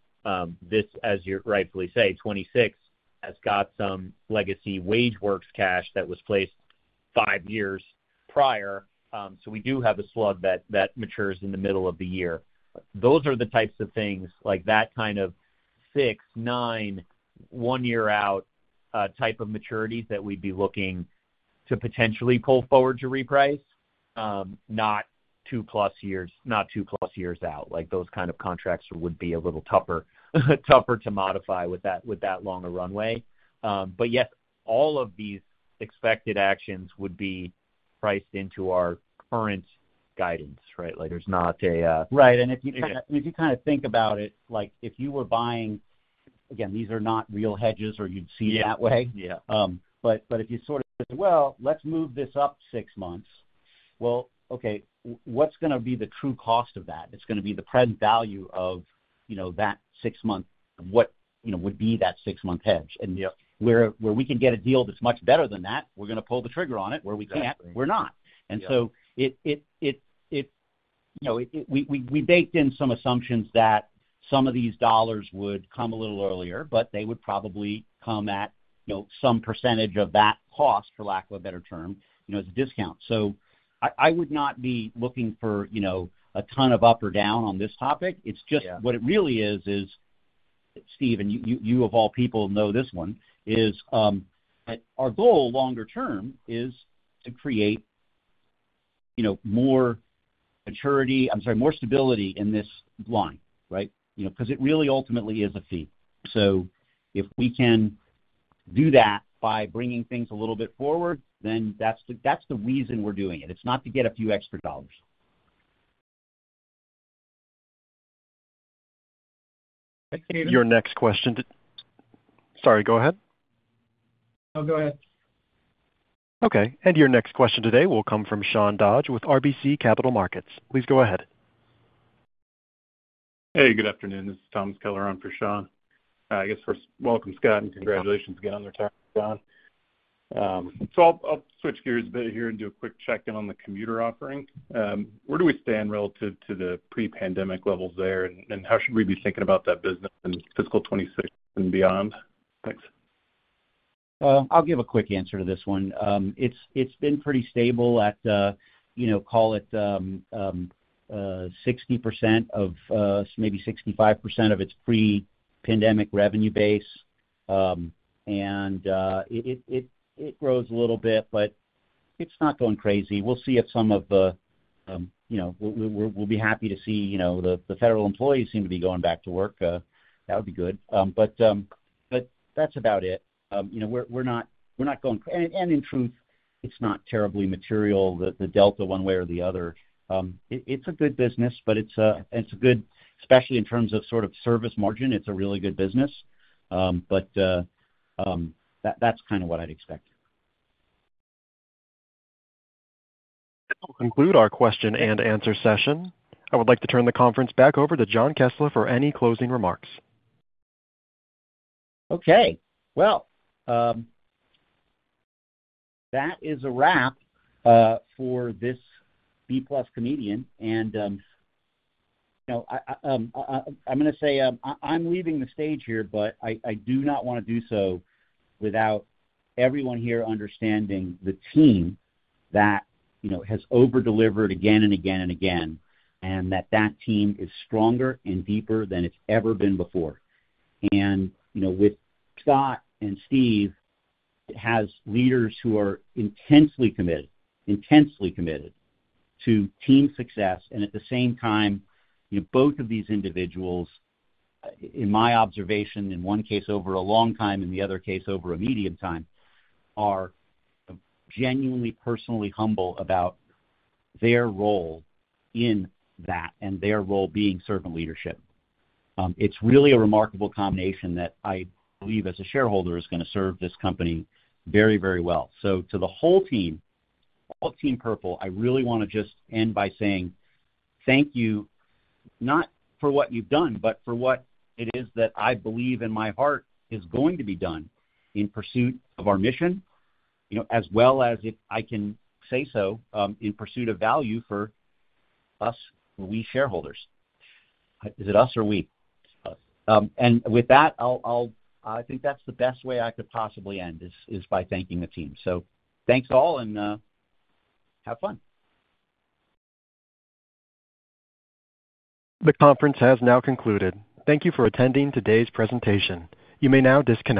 S5: This, as you rightfully say, 2026 has got some legacy WageWorks cash that was placed five years prior. So we do have a slug that matures in the middle of the year. Those are the types of things like that kind of six, nine, one-year-out type of maturities that we'd be looking to potentially pull forward to reprice, not 2+ years, not 2+ years out. Those kind of contracts would be a little tougher to modify with that long a runway. But yes, all of these expected actions would be priced into our current guidance, right? There's not a.
S3: Right. And if you kind of think about it, if you were buying, again, these are not real hedges or you'd see it that way. But if you sort of, well, let's move this up six months. Well, okay, what's going to be the true cost of that? It's going to be the present value of that six-month, what would be that six-month hedge? And where we can get a deal that's much better than that, we're going to pull the trigger on it. Where we can't, we're not. And so we baked in some assumptions that some of these dollars would come a little earlier, but they would probably come at some percentage of that cost, for lack of a better term, as a discount. So I would not be looking for a ton of up or down on this topic. It's just what it really is, is Steve, you of all people know this one, is our goal longer term is to create more maturity, I'm sorry, more stability in this line, right? Because it really ultimately is a fee. So if we can do that by bringing things a little bit forward, then that's the reason we're doing it. It's not to get a few extra dollars.
S1: Your next question, sorry, go ahead.
S3: Oh, go ahead.
S1: Okay. Your next question today will come from Sean Dodge with RBC Capital Markets. Please go ahead. Hey, good afternoon. This is Thomas Keller on for Sean. I guess first, welcome, Scott, and congratulations again on retiring, Jon. So I'll switch gears a bit here and do a quick check-in on the commuter offering. Where do we stand relative to the pre-pandemic levels there, and how should we be thinking about that business in fiscal 2026 and beyond? Thanks.
S3: I'll give a quick answer to this one. It's been pretty stable at, call it 60% of maybe 65% of its pre-pandemic revenue base, and it grows a little bit, but it's not going crazy. We'll see if some of the - we'll be happy to see the federal employees seem to be going back to work. That would be good, but that's about it. We're not going - and in truth, it's not terribly material, the delta one way or the other. It's a good business, but it's a good, especially in terms of sort of service margin, it's a really good business, but that's kind of what I'd expect.
S1: This will conclude our question and answer session. I would like to turn the conference back over to Jon Kessler for any closing remarks.
S3: Okay. Well, that is a wrap for this B+ comedian, and I'm going to say I'm leaving the stage here, but I do not want to do so without everyone here understanding the team that has overdelivered again and again and again, and that that team is stronger and deeper than it's ever been before, and with Scott and Steve, it has leaders who are intensely committed, intensely committed to team success, and at the same time, both of these individuals, in my observation, in one case over a long time and the other case over a medium time, are genuinely personally humble about their role in that and their role being servant leadership. It's really a remarkable combination that I believe as a shareholder is going to serve this company very, very well. So to the whole team, all Team Purple, I really want to just end by saying thank you, not for what you've done, but for what it is that I believe in my heart is going to be done in pursuit of our mission, as well as if I can say so, in pursuit of value for us, we shareholders. Is it us or we? And with that, I think that's the best way I could possibly end is by thanking the team. So thanks all and have fun.
S1: The conference has now concluded. Thank you for attending today's presentation. You may now disconnect.